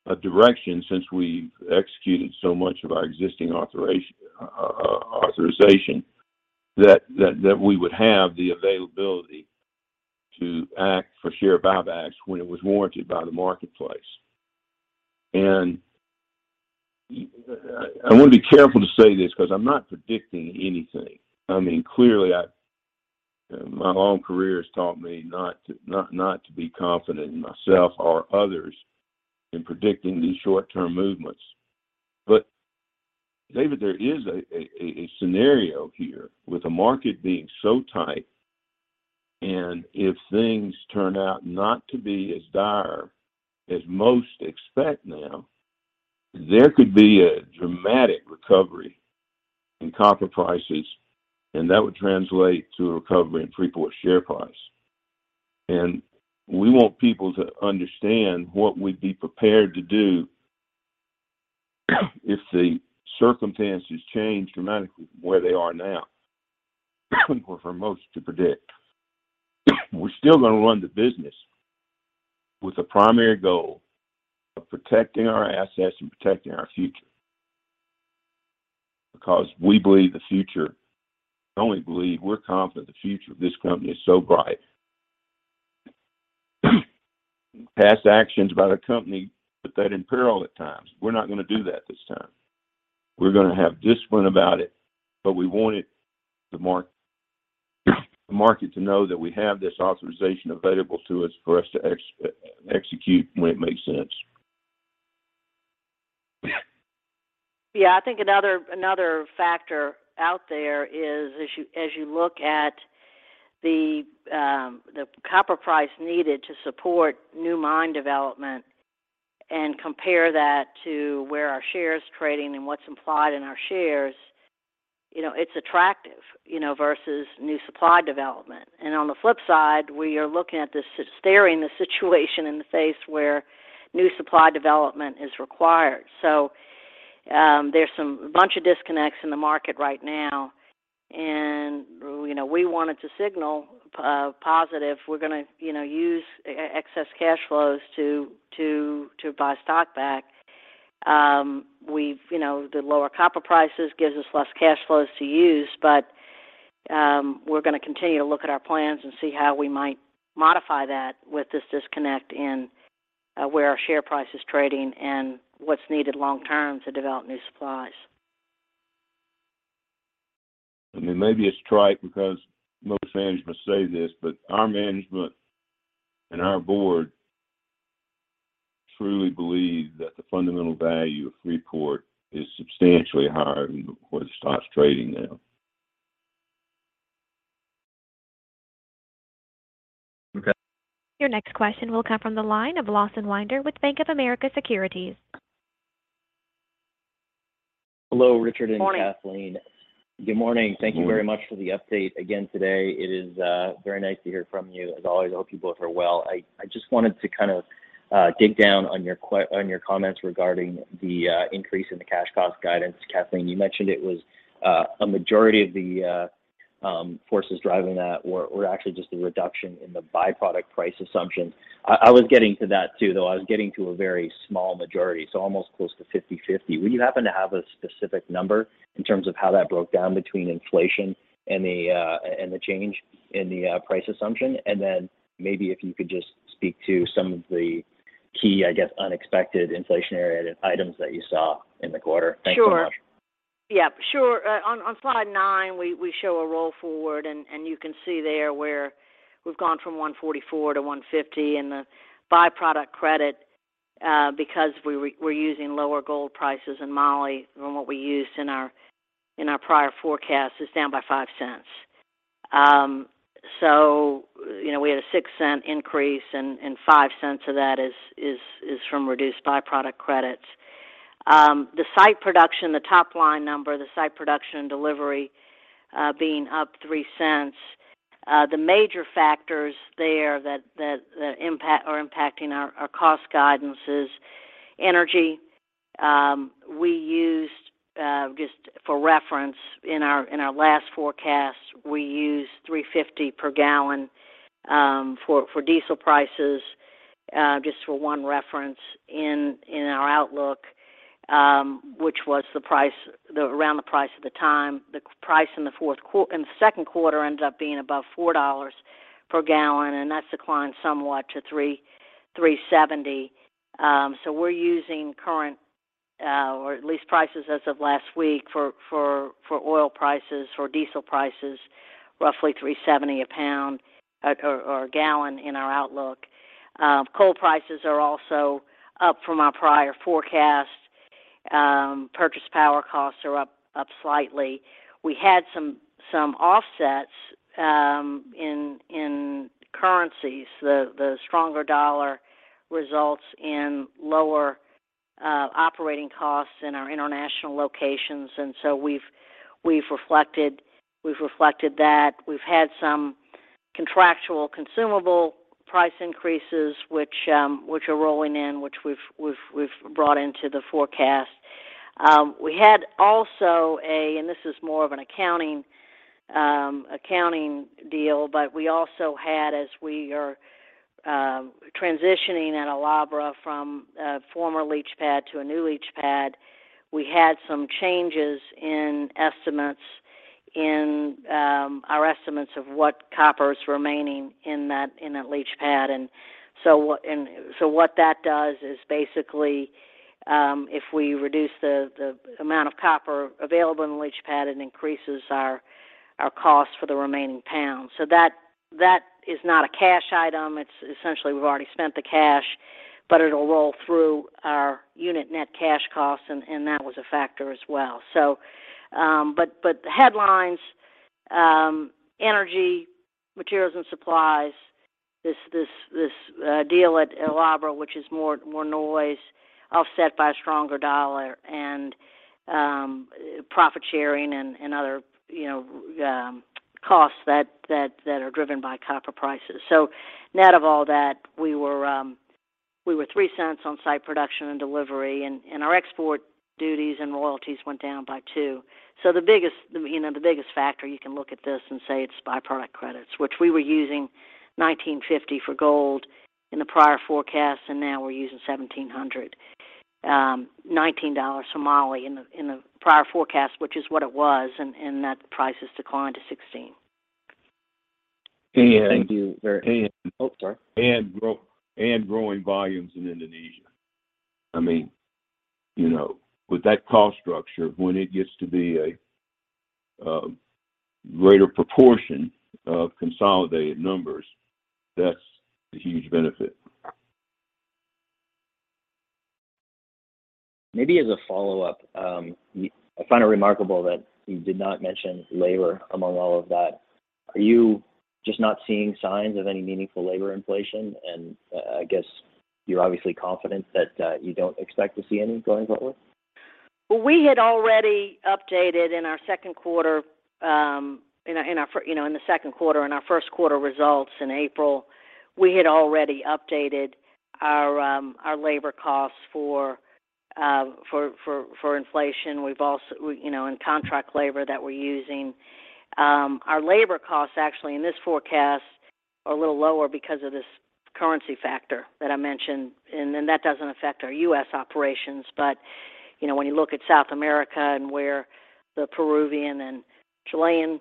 a direction since we've executed so much of our existing authorization that we would have the availability to act for share buybacks when it was warranted by the marketplace. I wanna be careful to say this because I'm not predicting anything. I mean, clearly, my long career has taught me not to, not to be confident in myself or others in predicting these short-term movements. David, there is a scenario here with the market being so tight, and if things turn out not to be as dire as most expect now, there could be a dramatic recovery in copper prices, and that would translate to a recovery in Freeport share price. We want people to understand what we'd be prepared to do if the circumstances change dramatically from where they are now for most to predict. We're still gonna run the business with the primary goal of protecting our assets and protecting our future because we're confident the future of this company is so bright. Past actions by the company put that in peril at times. We're not gonna do that this time. We're gonna have discipline about it, but we wanted the market to know that we have this authorization available to us for us to execute when it makes sense. Yeah. I think another factor out there is as you look at the copper price needed to support new mine development and compare that to where our share is trading and what's implied in our shares, you know, it's attractive, you know, versus new supply development. On the flip side, we are looking at this staring the situation in the face where new supply development is required. There's some bunch of disconnects in the market right now, and, you know, we wanted to signal positive. We're gonna, you know, use excess cash flows to buy stock back. You know, the lower copper prices gives us less cash flows to use, but we're gonna continue to look at our plans and see how we might modify that with this disconnect in where our share price is trading and what's needed long term to develop new supplies. I mean, maybe it's trite because most managements say this, but our management and our board truly believe that the fundamental value of Freeport is substantially higher than what the stock's trading now. Okay. Your next question will come from the line of Lawson Winder with Bank of America Securities. Hello, Richard and Kathleen. Morning. Good morning. Good morning. Thank you very much for the update again today. It is very nice to hear from you. As always, I hope you both are well. I just wanted to kind of dig down on your comments regarding the increase in the cash cost guidance. Kathleen, you mentioned it was a majority of the forces driving that were actually just a reduction in the byproduct price assumptions. I was getting to that too, though. I was getting to a very small majority, so almost close to 50/50. Would you happen to have a specific number in terms of how that broke down between inflation and the change in the price assumption? And then maybe if you could just speak to some of the key, I guess, unexpected inflationary items that you saw in the quarter. Thanks so much. Sure. Yeah, sure. On slide nine, we show a roll forward and you can see there where we've gone from $1.44 to $1.50, and the byproduct credit, because we're using lower gold prices in moly than what we used in our prior forecast is down by $0.05. So, you know, we had a $0.06 increase and five cents of that is from reduced byproduct credits. The site production, the top line number, the site production delivery being up $0.03, the major factors there that impact or impacting our cost guidance is energy. We used just for reference in our last forecast, we used $3.50 per gallon for diesel prices just for one reference in our outlook, which was around the price at the time. The price in the second quarter ended up being above $4 per gallon, and that's declined somewhat to $3.70. We're using current or at least prices as of last week for oil prices, for diesel prices, roughly $3.70 per gallon in our outlook. Coal prices are also up from our prior forecast. Purchased power costs are up slightly. We had some offsets in currencies. The stronger dollar results in lower operating costs in our international locations, and so we've reflected that. We've had some contractual consumable price increases, which are rolling in, which we've brought into the forecast. This is more of an accounting deal, but we also had as we are transitioning at El Abra from a former leach pad to a new leach pad, we had some changes in our estimates of what copper's remaining in that leach pad. What that does is basically, if we reduce the amount of copper available in the leach pad, it increases our cost for the remaining pounds. That is not a cash item. It's essentially we've already spent the cash, but it'll roll through our unit net cash costs, and that was a factor as well. The headlines energy, materials and supplies, this deal at El Abra, which is more noise offset by a stronger dollar and profit sharing and other, you know, costs that are driven by copper prices. Net of all that, we were $0.03 on site production and delivery, and our export duties and royalties went down by $0.02. The biggest, you know, factor you can look at this and say it's by-product credits, which we were using $1,950 for gold in the prior forecast, and now we're using $1,700. $19 for moly in the prior forecast, which is what it was, and that price has declined to $16. And- Thank you. And- Oh, sorry. Growing volumes in Indonesia. I mean, you know, with that cost structure, when it gets to be a greater proportion of consolidated numbers, that's a huge benefit. Maybe as a follow-up, I find it remarkable that you did not mention labor among all of that. Are you just not seeing signs of any meaningful labor inflation? I guess you're obviously confident that you don't expect to see any going forward. Well, we had already updated in our second quarter, you know, in the second quarter, in our first quarter results in April, we had already updated our labor costs for inflation. We've also, you know, in contract labor that we're using. Our labor costs actually in this forecast are a little lower because of this currency factor that I mentioned. That doesn't affect our U.S. operations. You know, when you look at South America and where the Peruvian and Chilean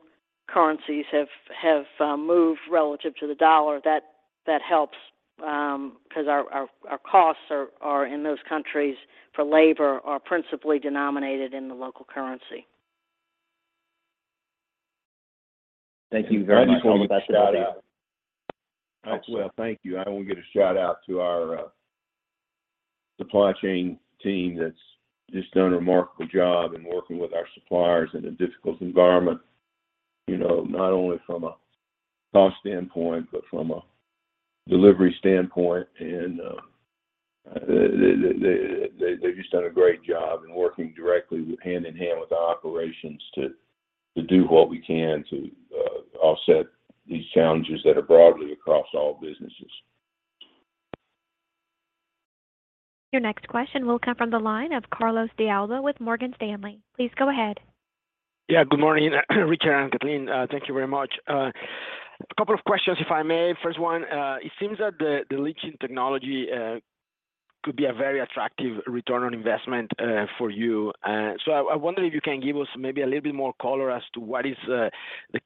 currencies have moved relative to the dollar, that helps 'cause our costs in those countries for labor are principally denominated in the local currency. Thank you very much. Let me throw a shout-out. Awesome. Well, thank you. I wanna give a shout-out to our supply chain team that's just done a remarkable job in working with our suppliers in a difficult environment, you know, not only from a cost standpoint, but from a delivery standpoint. They've just done a great job in working directly hand-in-hand with our operations to do what we can to offset these challenges that are broadly across all businesses. Your next question will come from the line of Carlos de Alba with Morgan Stanley. Please go ahead. Yeah, good morning Richard and Kathleen. Thank you very much. A couple of questions, if I may. First one, it seems that the leaching technology could be a very attractive return on investment for you. So I wonder if you can give us maybe a little bit more color as to what is the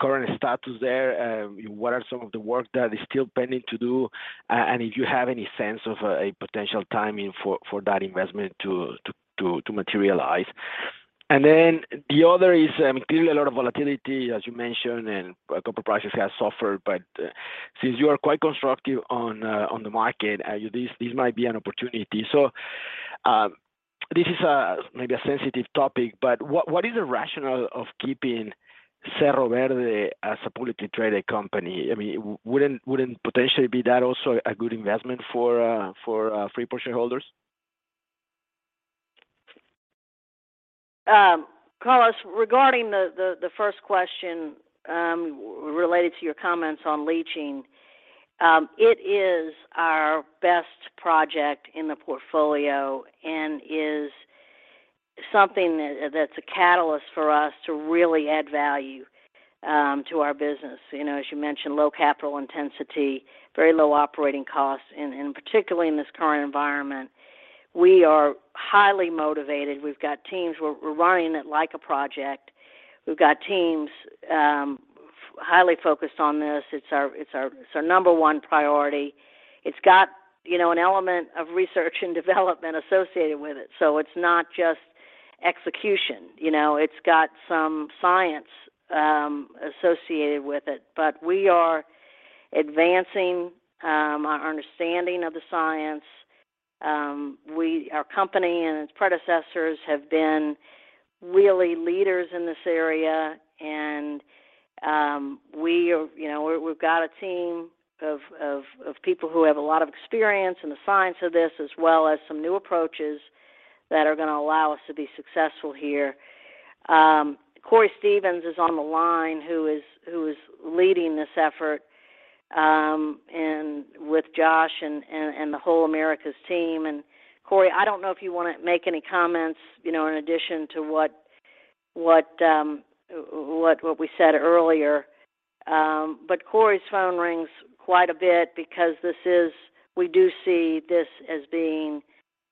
current status there, what are some of the work that is still pending to do, and if you have any sense of a potential timing for that investment to materialize. Then the other is, clearly a lot of volatility, as you mentioned, and a couple prices have suffered. Since you are quite constructive on the market, this might be an opportunity. This is maybe a sensitive topic, but what is the rationale of keeping Cerro Verde as a publicly traded company? I mean, wouldn't potentially be that also a good investment for Freeport shareholders? Carlos, regarding the first question related to your comments on leaching, it is our best project in the portfolio and is something that's a catalyst for us to really add value to our business. You know, as you mentioned, low capital intensity, very low operating costs, and particularly in this current environment, we are highly motivated. We've got teams. We're running it like a project. We've got teams highly focused on this. It's our number one priority. It's got, you know, an element of research and development associated with it, so it's not just execution. You know, it's got some science associated with it. We are advancing our understanding of the science. Our company and its predecessors have been really leaders in this area and, you know, we've got a team of people who have a lot of experience in the science of this as well as some new approaches that are gonna allow us to be successful here. Cory Stevens is on the line, who is leading this effort, and with Josh and the whole Americas team. Cory, I don't know if you wanna make any comments, you know, in addition to what we said earlier. Cory's phone rings quite a bit because we do see this as being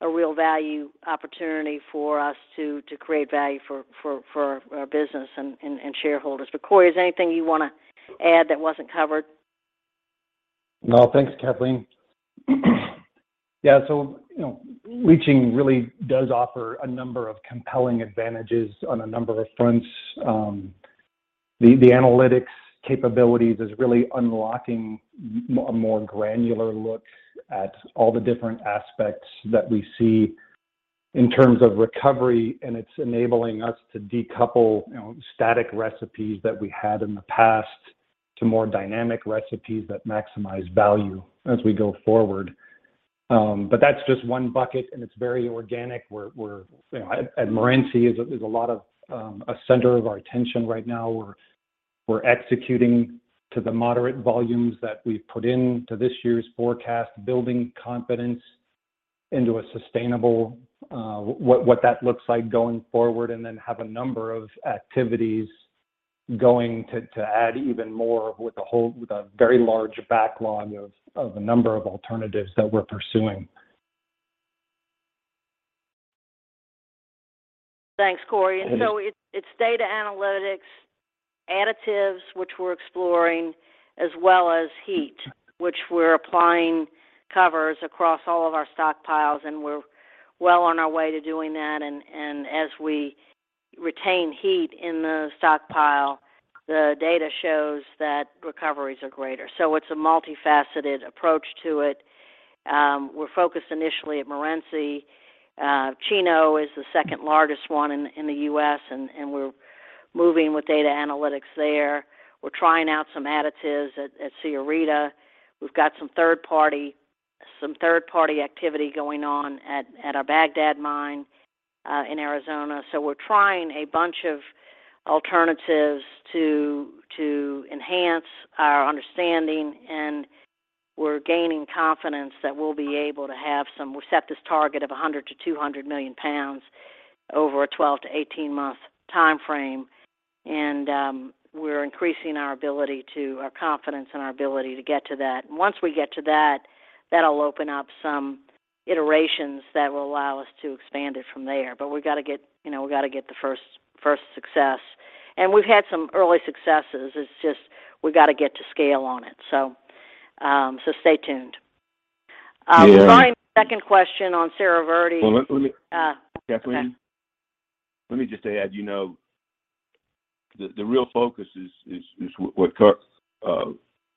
a real value opportunity for us to create value for our business and shareholders. Cory, is there anything you wanna add that wasn't covered? No, thanks, Kathleen. Yeah, so, you know, leaching really does offer a number of compelling advantages on a number of fronts. The analytics capabilities is really unlocking a more granular look at all the different aspects that we see in terms of recovery, and it's enabling us to decouple, you know, static recipes that we had in the past to more dynamic recipes that maximize value as we go forward. But that's just one bucket, and it's very organic. We're, you know, at Morenci, a center of our attention right now. We're executing to the moderate volumes that we've put into this year's forecast, building confidence into a sustainable what that looks like going forward, and then have a number of activities going to add even more with a very large backlog of a number of alternatives that we're pursuing. Thanks, Cory. Thank you. It's data analytics, additives, which we're exploring, as well as heat, which we're applying across all of our stockpiles, and we're well on our way to doing that. As we retain heat in the stockpile, the data shows that recoveries are greater. It's a multifaceted approach to it. We're focused initially at Morenci. Chino is the second largest one in the U.S., and we're moving with data analytics there. We're trying out some additives at Sierrita. We've got some third party activity going on at our Bagdad mine in Arizona. We're trying a bunch of alternatives to enhance our understanding, and we're gaining confidence that we'll be able to. We set this target of 100 million-200 million pounds over a 12-18-month timeframe. We're increasing our confidence and our ability to get to that. Once we get to that'll open up some iterations that will allow us to expand it from there. We gotta get, you know, the first success. We've had some early successes. It's just we gotta get to scale on it. Stay tuned. Yeah. Alba, second question on Cerro Verde. Well, let me. Uh. Kathleen. Okay. Let me just add, you know, the real focus is what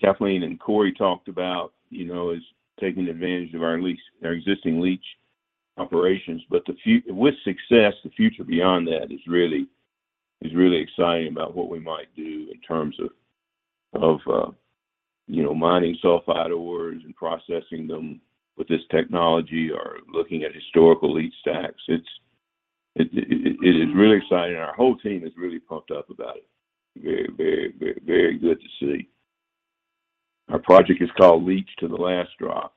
Kathleen and Corey talked about, you know, is taking advantage of our leach, our existing leach operations. With success, the future beyond that is really exciting about what we might do in terms of, you know, mining sulfide ores and processing them with this technology or looking at historical leach stacks. It is really exciting, and our whole team is really pumped up about it. Very good to see. Our project is called Leach to the Last Drop.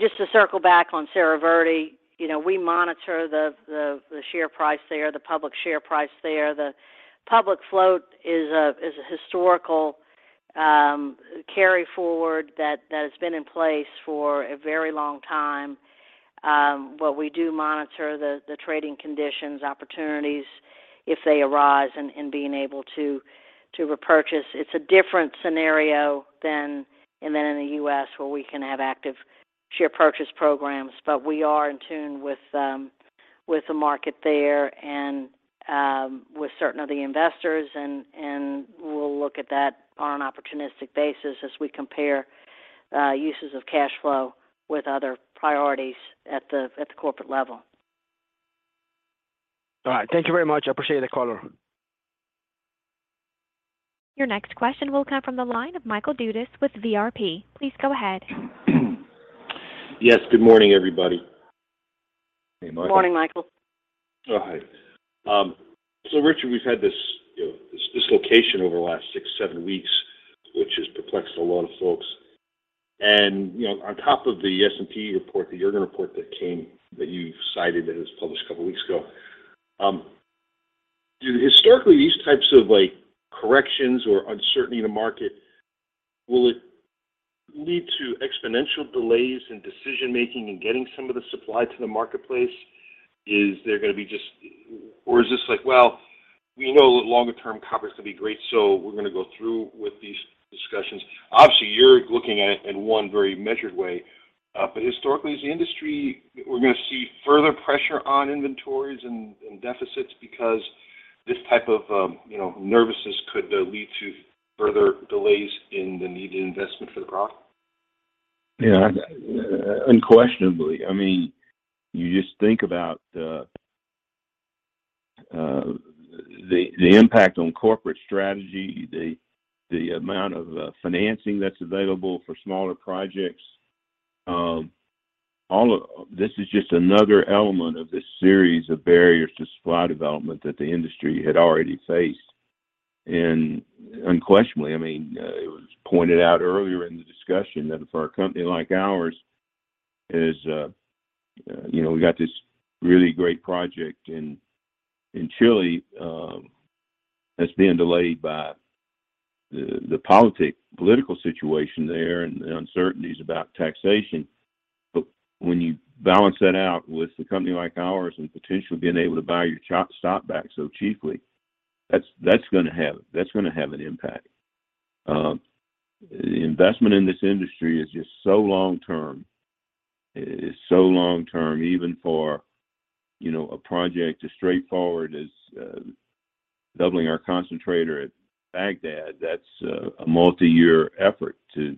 Just to circle back on Cerro Verde, you know, we monitor the share price there, the public share price there. The public float is a historical carry forward that has been in place for a very long time. But we do monitor the trading conditions, opportunities if they arise and being able to repurchase. It's a different scenario than in the U.S., where we can have active share purchase programs. But we are in tune with the market there and with certain of the investors and we'll look at that on an opportunistic basis as we compare uses of cash flow with other priorities at the corporate level. All right. Thank you very much. I appreciate the color. Your next question will come from the line of Michael Dudas with VRP. Please go ahead. Yes, good morning, everybody. Hey, Michael. Morning, Michael. Oh, hi. So Richard, we've had this location over the last six, seven weeks, which has perplexed a lot of folks. On top of the S&P report, the S&P Global report that you cited that was published a couple weeks ago, historically these types of corrections or uncertainty in the market, will it lead to exponential delays in decision-making and getting some of the supply to the marketplace? Is there gonna be just or is this, well, we know that longer term copper's gonna be great, so we're gonna go through with these discussions. Obviously, you're looking at it in one very measured way. Historically as an industry, we're gonna see further pressure on inventories and deficits because this type of, you know, nervousness could lead to further delays in the needed investment for the product? Yeah, unquestionably. I mean, you just think about the impact on corporate strategy, the amount of financing that's available for smaller projects. This is just another element of this series of barriers to supply development that the industry had already faced. Unquestionably, I mean, it was pointed out earlier in the discussion that for a company like ours is, you know, we got this really great project in Chile, that's being delayed by the political situation there and the uncertainties about taxation. But when you balance that out with a company like ours and potentially being able to buy your stock back so cheaply, that's gonna have an impact. Investment in this industry is just so long-term. It is so long-term, even for, you know, a project as straightforward as doubling our concentrator at Bagdad. That's a multi-year effort to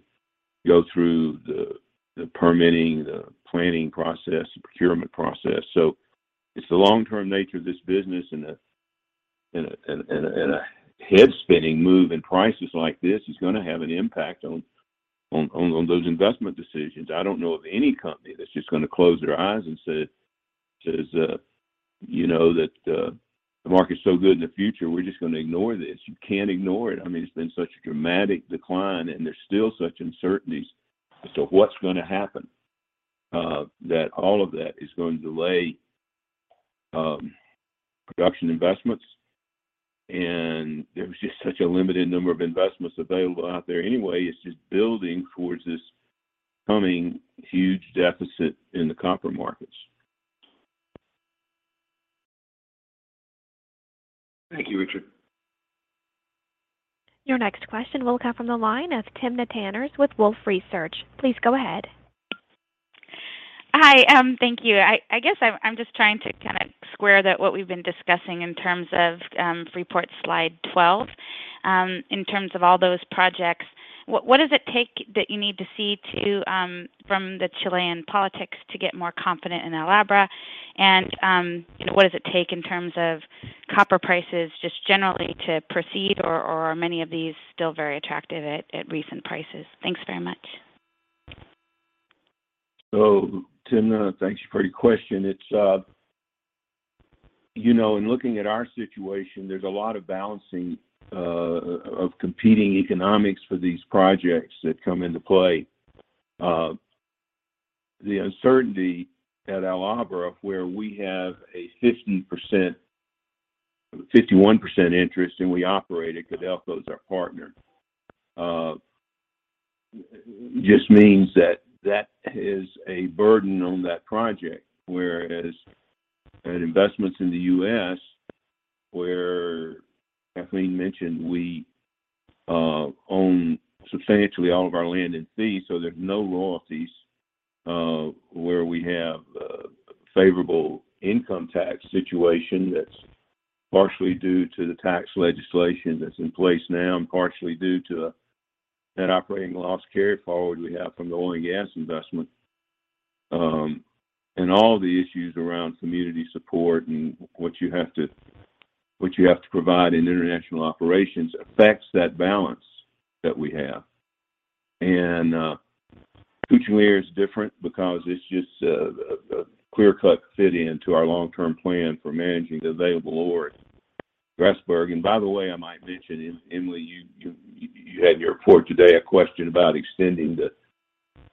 go through the permitting, the planning process, the procurement process. It's the long-term nature of this business and a head-spinning move in prices like this is gonna have an impact on those investment decisions. I don't know of any company that's just gonna close their eyes and say, you know, that "The market's so good in the future, we're just gonna ignore this." You can't ignore it. I mean, it's been such a dramatic decline, and there's still such uncertainties as to what's gonna happen that all of that is going to delay production investments. There was just such a limited number of investments available out there anyway. It's just building towards this coming huge deficit in the copper markets. Thank you, Richard. Your next question will come from the line of Timna Tanners with Wolfe Research. Please go ahead. Hi, thank you. I guess I'm just trying to kinda square that what we've been discussing in terms of report slide 12 in terms of all those projects. What does it take that you need to see from the Chilean politics to get more confident in El Abra? And you know, what does it take in terms of copper prices just generally to proceed, or are many of these still very attractive at recent prices? Thanks very much. Timna, thanks for your question. It's, you know, in looking at our situation, there's a lot of balancing of competing economics for these projects that come into play. The uncertainty at El Abra, where we have a 50%, 51% interest, and we operate it, Codelco's our partner, just means that is a burden on that project. Whereas at investments in the U.S., where Kathleen mentioned we own substantially all of our land and fee, so there's no royalties, where we have a favorable income tax situation that's partially due to the tax legislation that's in place now and partially due to that operating loss carry-forward we have from the oil and gas investment. All the issues around community support and what you have to provide in international operations affects that balance that we have. Kucing Liar is different because it's just a clear-cut fit into our long-term plan for managing the available ore at Grasberg. By the way, I might mention, Emily, you had in your report today a question about extending the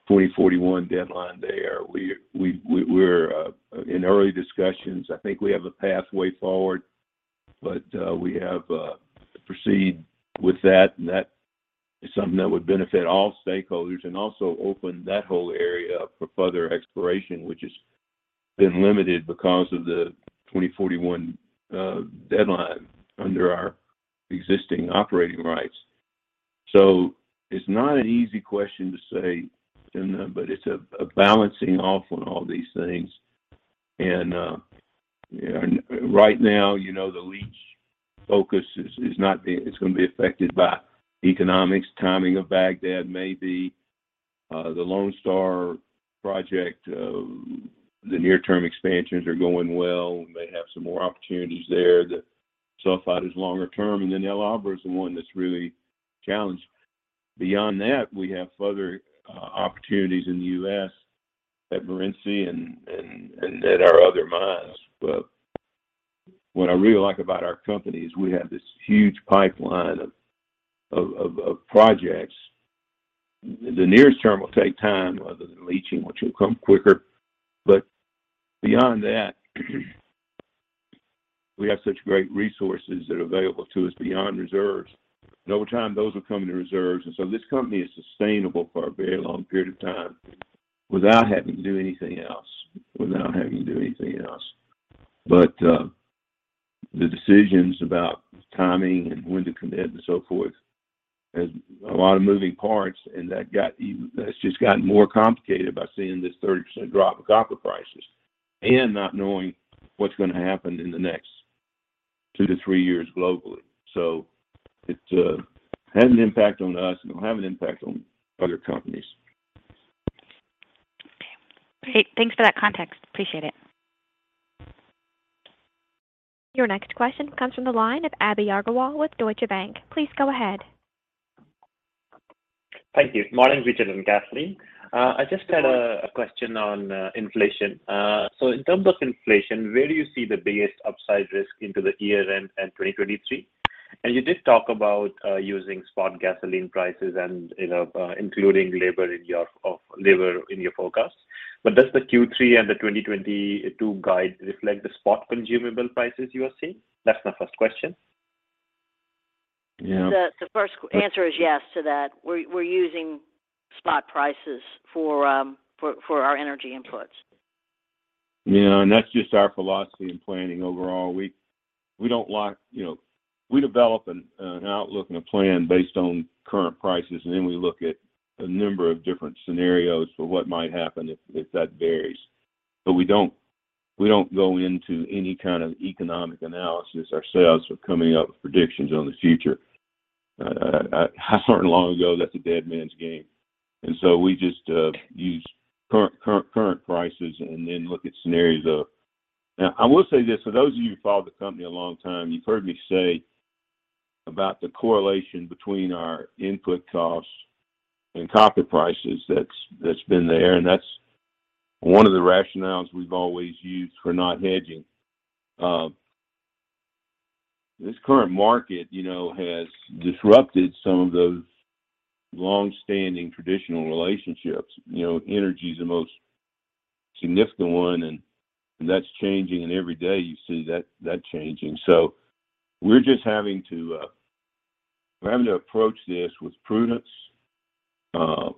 2041 deadline there. We're in early discussions. I think we have a pathway forward, but we have to proceed with that, and that is something that would benefit all stakeholders and also open that whole area up for further exploration, which has been limited because of the 2041 deadline under our existing operating rights. It's not an easy question to say, Timna, but it's a balancing off on all these things. Right now, you know, the leach focus is not being. It's gonna be affected by economics, timing of Bagdad maybe. The Lone Star project, the near-term expansions are going well. We may have some more opportunities there. The sulfide is longer term, and then El Abra is the one that's really challenged. Beyond that, we have further opportunities in the U.S. at Morenci and at our other mines. What I really like about our company is we have this huge pipeline of projects. The nearest term will take time, other than leaching, which will come quicker. Beyond that, we have such great resources that are available to us beyond reserves. Over time, those will come to reserves, and so this company is sustainable for a very long period of time without having to do anything else. The decisions about timing and when to commit and so forth. There's a lot of moving parts, and that's just gotten more complicated by seeing this 30% drop of copper prices and not knowing what's gonna happen in the next 2-3 years globally. It had an impact on us, and it'll have an impact on other companies. Okay. Great. Thanks for that context. Appreciate it. Your next question comes from the line of Abhi Agarwal with Deutsche Bank. Please go ahead. Thank you. Morning, Richard and Kathleen. I just had- Good morning. a question on inflation. In terms of inflation, where do you see the biggest upside risk into the year-end and 2023? You did talk about using spot gasoline prices and including labor in your forecast. Does the Q3 and the 2022 guide reflect the spot consumable prices you are seeing? That's my first question. Yeah. The first answer is yes to that. We're using spot prices for our energy inputs. Yeah. That's just our philosophy in planning overall. You know, we develop an outlook and a plan based on current prices, and then we look at a number of different scenarios for what might happen if that varies. But we don't go into any kind of economic analysis ourselves or coming up with predictions on the future. I learned long ago that's a dead man's game. We just use current prices and then look at scenarios. Now, I will say this. For those of you who followed the company a long time, you've heard me say about the correlation between our input costs and copper prices that's been there, and that's one of the rationales we've always used for not hedging. This current market, you know, has disrupted some of those long-standing traditional relationships. You know, energy's the most significant one, and that's changing. Every day, you see that changing. We're just having to approach this with prudence,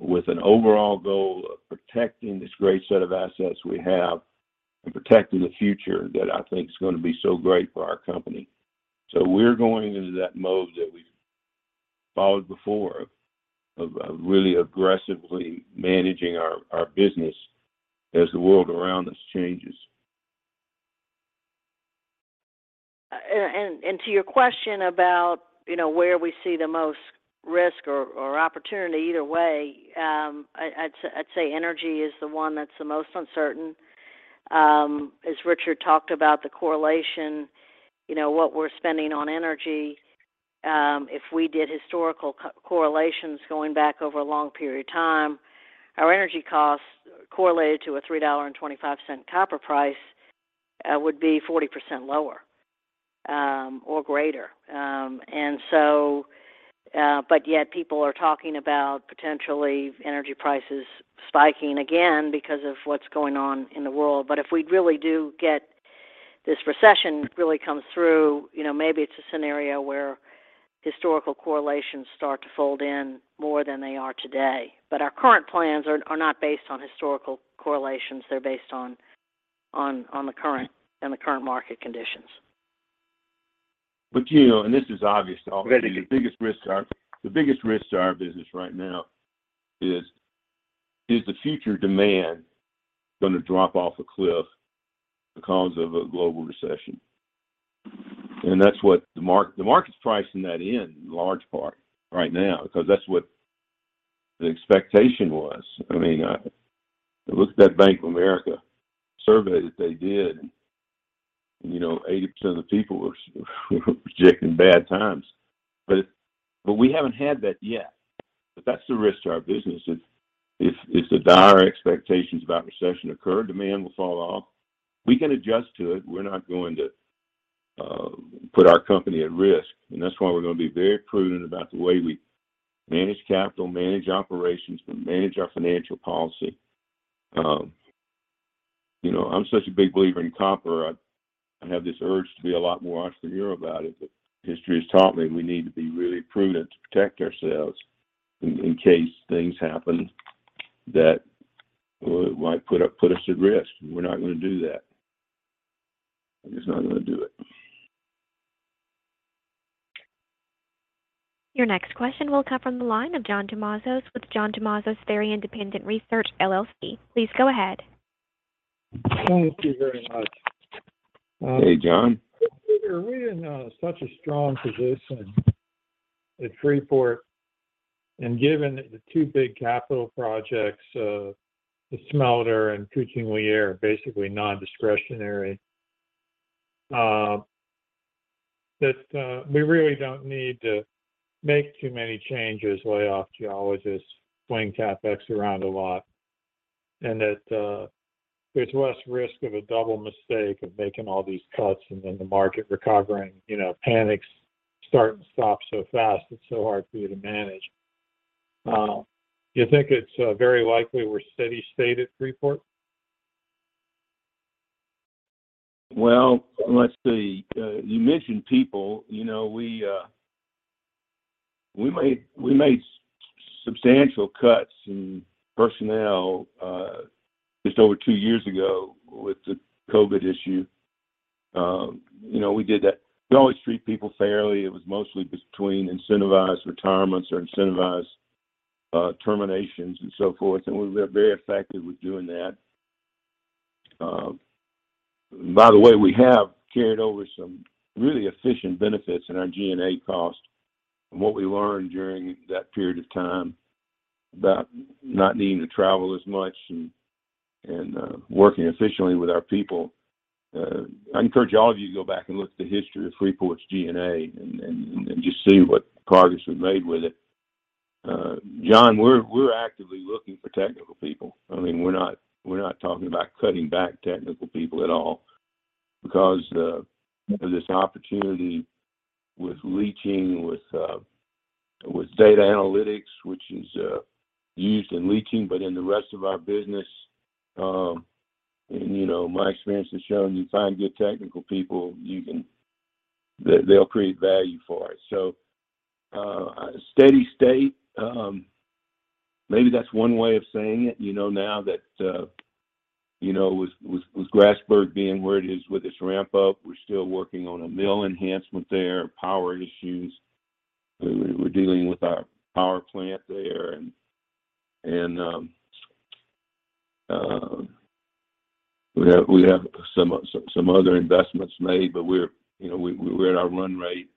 with an overall goal of protecting this great set of assets we have and protecting the future that I think is gonna be so great for our company. We're going into that mode that we've followed before of really aggressively managing our business as the world around us changes. To your question about, you know, where we see the most risk or opportunity, either way, I'd say energy is the one that's the most uncertain. As Richard talked about the correlation, you know, what we're spending on energy, if we did historical correlations going back over a long period of time, our energy costs correlated to a $3.25 copper price would be 40% lower or greater. But yet people are talking about potentially energy prices spiking again because of what's going on in the world. If we really do get this recession really comes through, you know, maybe it's a scenario where historical correlations start to fold in more than they are today. Our current plans are not based on historical correlations. They're based on the current market conditions. You know, and this is obvious to all of you. Right The biggest risk to our business right now is the future demand gonna drop off a cliff because of a global recession? That's what the market's pricing that in large part right now because that's what the expectation was. I mean, look at that Bank of America survey that they did, you know, 80% of the people were projecting bad times. We haven't had that yet, but that's the risk to our business. If the dire expectations about recession occur, demand will fall off. We can adjust to it. We're not going to put our company at risk, and that's why we're gonna be very prudent about the way we manage capital, manage operations, we manage our financial policy. You know, I'm such a big believer in copper. I have this urge to be a lot more austere about it, but history has taught me we need to be really prudent to protect ourselves in case things happen that might put us at risk. We're not gonna do that. I'm just not gonna do it. Your next question will come from the line of John Tumazos with John Tumazos Very Independent Research LLC. Please go ahead. Thank you very much. Hey, John. Richard, we're in such a strong position at Freeport, and given that the two big capital projects of the smelter and Kucing Liar are basically non-discretionary, that we really don't need to make too many changes, lay off geologists, swing CapEx around a lot, and that there's less risk of a double mistake of making all these cuts and then the market recovering. You know, panics start and stop so fast, it's so hard for you to manage. Do you think it's very likely we're steady-state at Freeport? Well, let's see. You mentioned people. You know, we made substantial cuts in personnel just over two years ago with the COVID issue. You know, we did that. We always treat people fairly. It was mostly between incentivized retirements or incentivized terminations and so forth, and we were very effective with doing that. By the way, we have carried over some really efficient benefits in our G&A cost and what we learned during that period of time about not needing to travel as much and working efficiently with our people. I encourage all of you to go back and look at the history of Freeport's G&A and just see what progress we've made with it. John, we're actively looking for technical people. I mean, we're not talking about cutting back technical people at all because this opportunity with leaching, with data analytics, which is used in leaching, but in the rest of our business, and you know, my experience has shown you find good technical people, they'll create value for us. Steady state, maybe that's one way of saying it. You know now that, with Grasberg being where it is with its ramp up, we're still working on a mill enhancement there, power issues. We're dealing with our power plant there and we have some other investments made, but you know, we're at our run rate.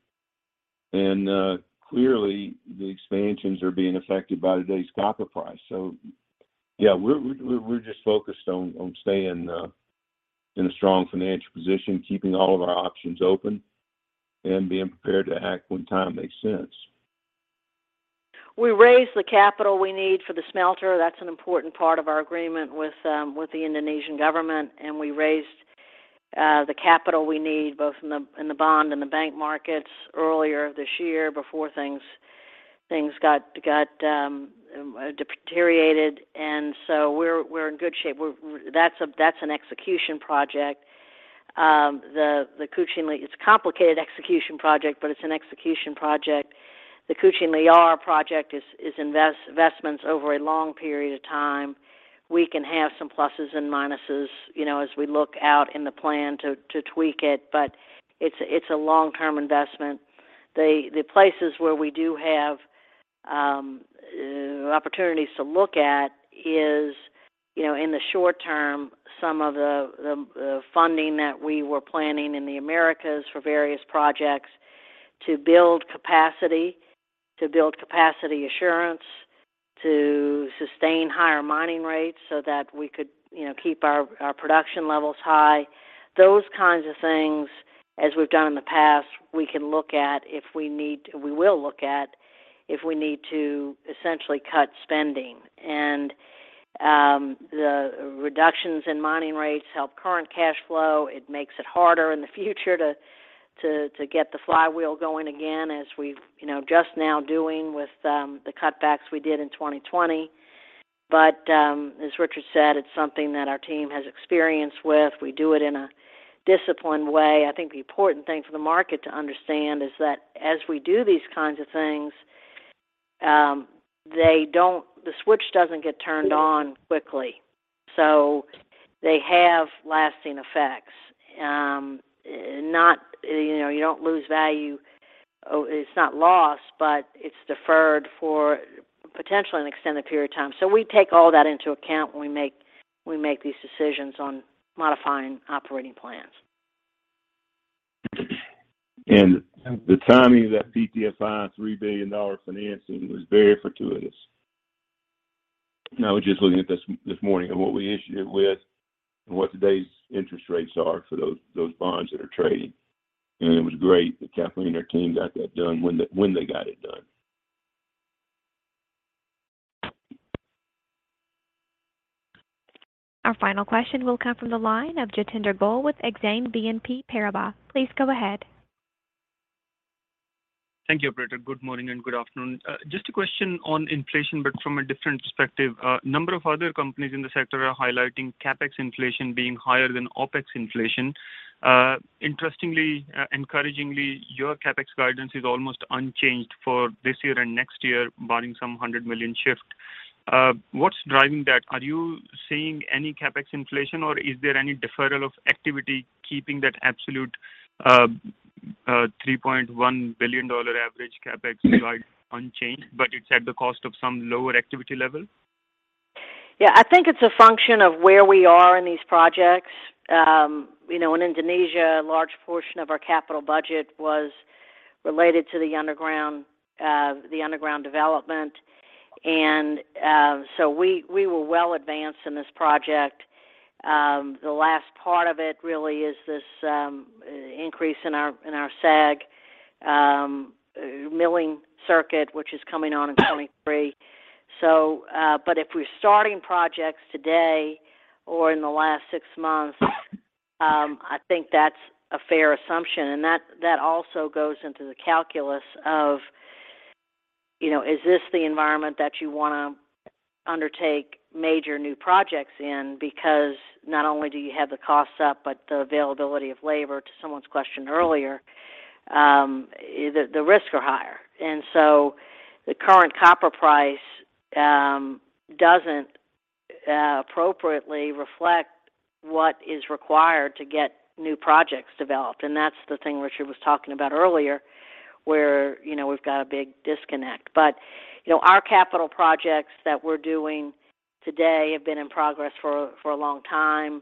Clearly the expansions are being affected by today's copper price. Yeah, we're just focused on staying in a strong financial position, keeping all of our options open, and being prepared to act when time makes sense. We raised the capital we need for the smelter. That's an important part of our agreement with the Indonesian government. We raised the capital we need both in the bond and the bank markets earlier this year before things got deteriorated. We're in good shape. That's an execution project. The Kucing Liar. It's a complicated execution project, but it's an execution project. The Kucing Liar project is investments over a long period of time. We can have some pluses and minuses, you know, as we look out in the plan to tweak it, but it's a long-term investment. The places where we do have opportunities to look at is, you know, in the short term, some of the funding that we were planning in the Americas for various projects to build capacity assurance, to sustain higher mining rates so that we could, you know, keep our production levels high. Those kinds of things, as we've done in the past, we will look at if we need to essentially cut spending. The reductions in mining rates help current cash flow. It makes it harder in the future to get the flywheel going again as we've, you know, just now doing with the cutbacks we did in 2020. As Richard said, it's something that our team has experience with. We do it in a disciplined way. I think the important thing for the market to understand is that as we do these kinds of things, the switch doesn't get turned on quickly, so they have lasting effects. Not, you know, you don't lose value. It's not lost, but it's deferred for potentially an extended period of time. We take all that into account when we make these decisions on modifying operating plans. The timing of that PTFI $3 billion financing was very fortuitous. I was just looking at this morning at what we issued it with and what today's interest rates are for those bonds that are trading. It was great that Kathleen and her team got that done when they got it done. Our final question will come from the line of Jatinder Goel with Exane BNP Paribas. Please go ahead. Thank you, operator. Good morning and good afternoon. Just a question on inflation, but from a different perspective. A number of other companies in the sector are highlighting CapEx inflation being higher than OpEx inflation. Interestingly, encouragingly, your CapEx guidance is almost unchanged for this year and next year, barring some $100 million shift. What's driving that? Are you seeing any CapEx inflation, or is there any deferral of activity keeping that absolute $3.1 billion average CapEx guide unchanged, but it's at the cost of some lower activity level? Yeah. I think it's a function of where we are in these projects. You know, in Indonesia, a large portion of our capital budget was related to the underground development. We were well advanced in this project. The last part of it really is this increase in our SAG milling circuit, which is coming on in 2023. But if we're starting projects today or in the last six months, I think that's a fair assumption. That also goes into the calculus of, you know, is this the environment that you want to undertake major new projects in because not only do you have the costs up, but the availability of labor to someone's question earlier, the risks are higher. The current copper price doesn't appropriately reflect what is required to get new projects developed. That's the thing Richard was talking about earlier where, you know, we've got a big disconnect. You know, our capital projects that we're doing today have been in progress for a long time.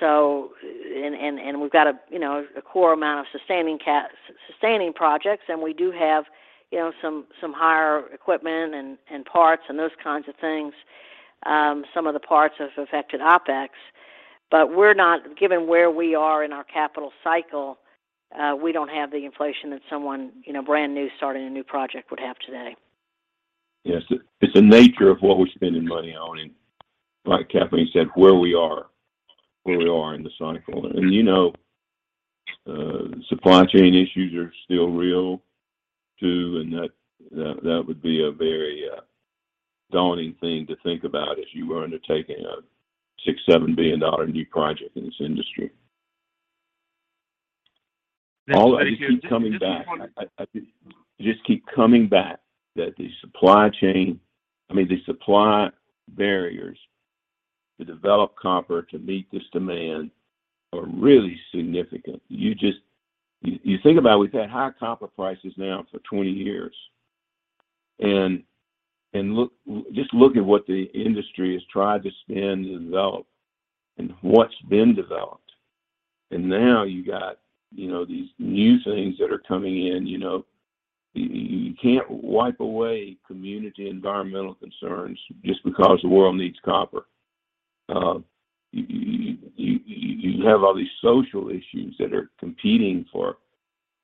So and we've got a, you know, a core amount of sustaining projects, and we do have, you know, some higher equipment and parts and those kinds of things. Some of the parts have affected OpEx. Given where we are in our capital cycle, we don't have the inflation that someone, you know, brand new starting a new project would have today. Yes. It's the nature of what we're spending money on, and like Kathleen said, where we are in the cycle. You know, supply chain issues are still real too, and that would be a very daunting thing to think about if you were undertaking a $6 billion-$7 billion new project in this industry. All I just keep coming back. I just keep coming back that the supply chain. I mean, the supply barriers to develop copper to meet this demand are really significant. You just think about we've had high copper prices now for 20 years and look, just look at what the industry has tried to spend to develop and what's been developed. Now you got, you know, these new things that are coming in. You know, you can't wipe away community environmental concerns just because the world needs copper. You have all these social issues that are competing for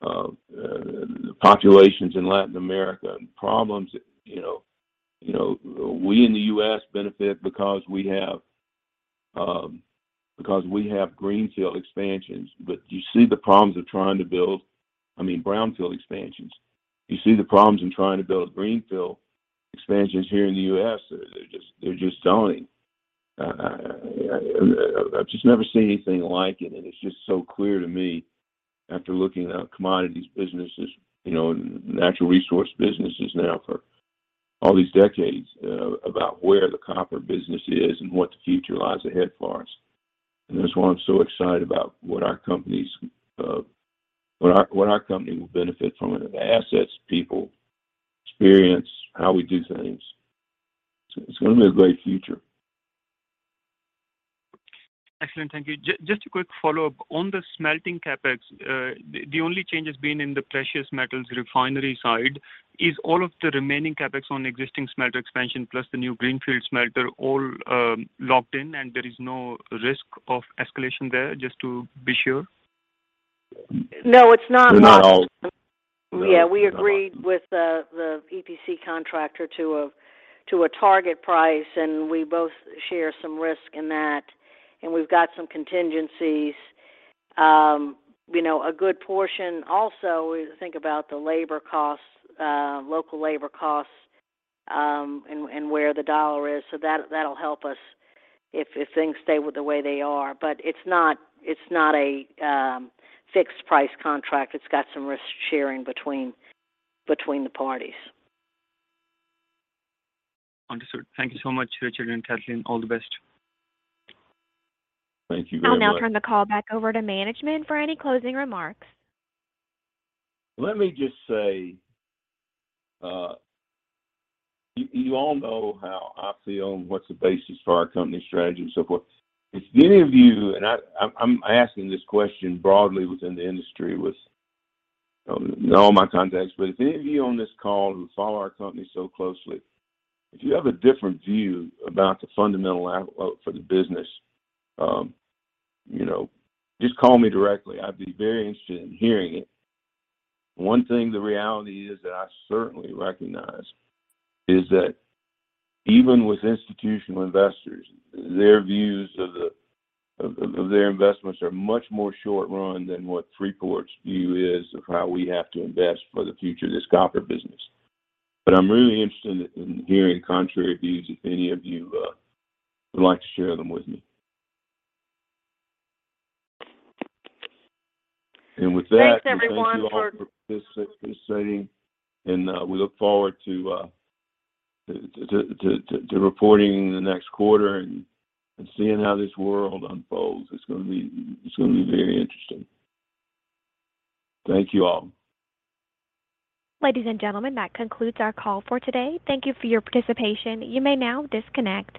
the populations in Latin America and problems that, you know. You know, we in the U.S. benefit because we have greenfield expansions, but you see the problems of trying to build, I mean, brownfield expansions. You see the problems in trying to build greenfield expansions here in the U.S. They're just daunting. I've just never seen anything like it, and it's just so clear to me after looking at commodities, businesses, you know, natural resource businesses now for all these decades about where the copper business is and what the future lies ahead for us. That's why I'm so excited about what our company will benefit from in terms of assets, people, experience, how we do things. It's gonna be a great future. Excellent. Thank you. Just a quick follow-up. On the smelting CapEx, the only change has been in the precious metals refinery side. Is all of the remaining CapEx on existing smelter expansion plus the new greenfield smelter all locked in and there is no risk of escalation there, just to be sure? No, it's not locked. No. Yeah. We agreed with the EPC contractor to a target price, and we both share some risk in that, and we've got some contingencies. You know, a good portion also is think about the labor costs, local labor costs, and where the U.S. dollar is. That, that'll help us if things stay with the way they are. It's not a fixed price contract. It's got some risk sharing between the parties. Understood. Thank you so much, Richard and Kathleen. All the best. Thank you very much. I'll now turn the call back over to management for any closing remarks. Let me just say, you all know how I feel and what's the basis for our company strategy and so forth. If any of you, and I'm asking this question broadly within the industry with, in all my contacts. If any of you on this call who follow our company so closely, if you have a different view about the fundamental outlook for the business, you know, just call me directly. I'd be very interested in hearing it. One thing the reality is that I certainly recognize is that even with institutional investors, their views of their investments are much more short-run than what Freeport's view is of how we have to invest for the future of this copper business. I'm really interested in hearing contrary views if any of you would like to share them with me. With that Thanks, everyone. Thank you all for this meeting, and we look forward to reporting the next quarter and seeing how this world unfolds. It's gonna be very interesting. Thank you all. Ladies and gentlemen, that concludes our call for today. Thank you for your participation. You may now disconnect.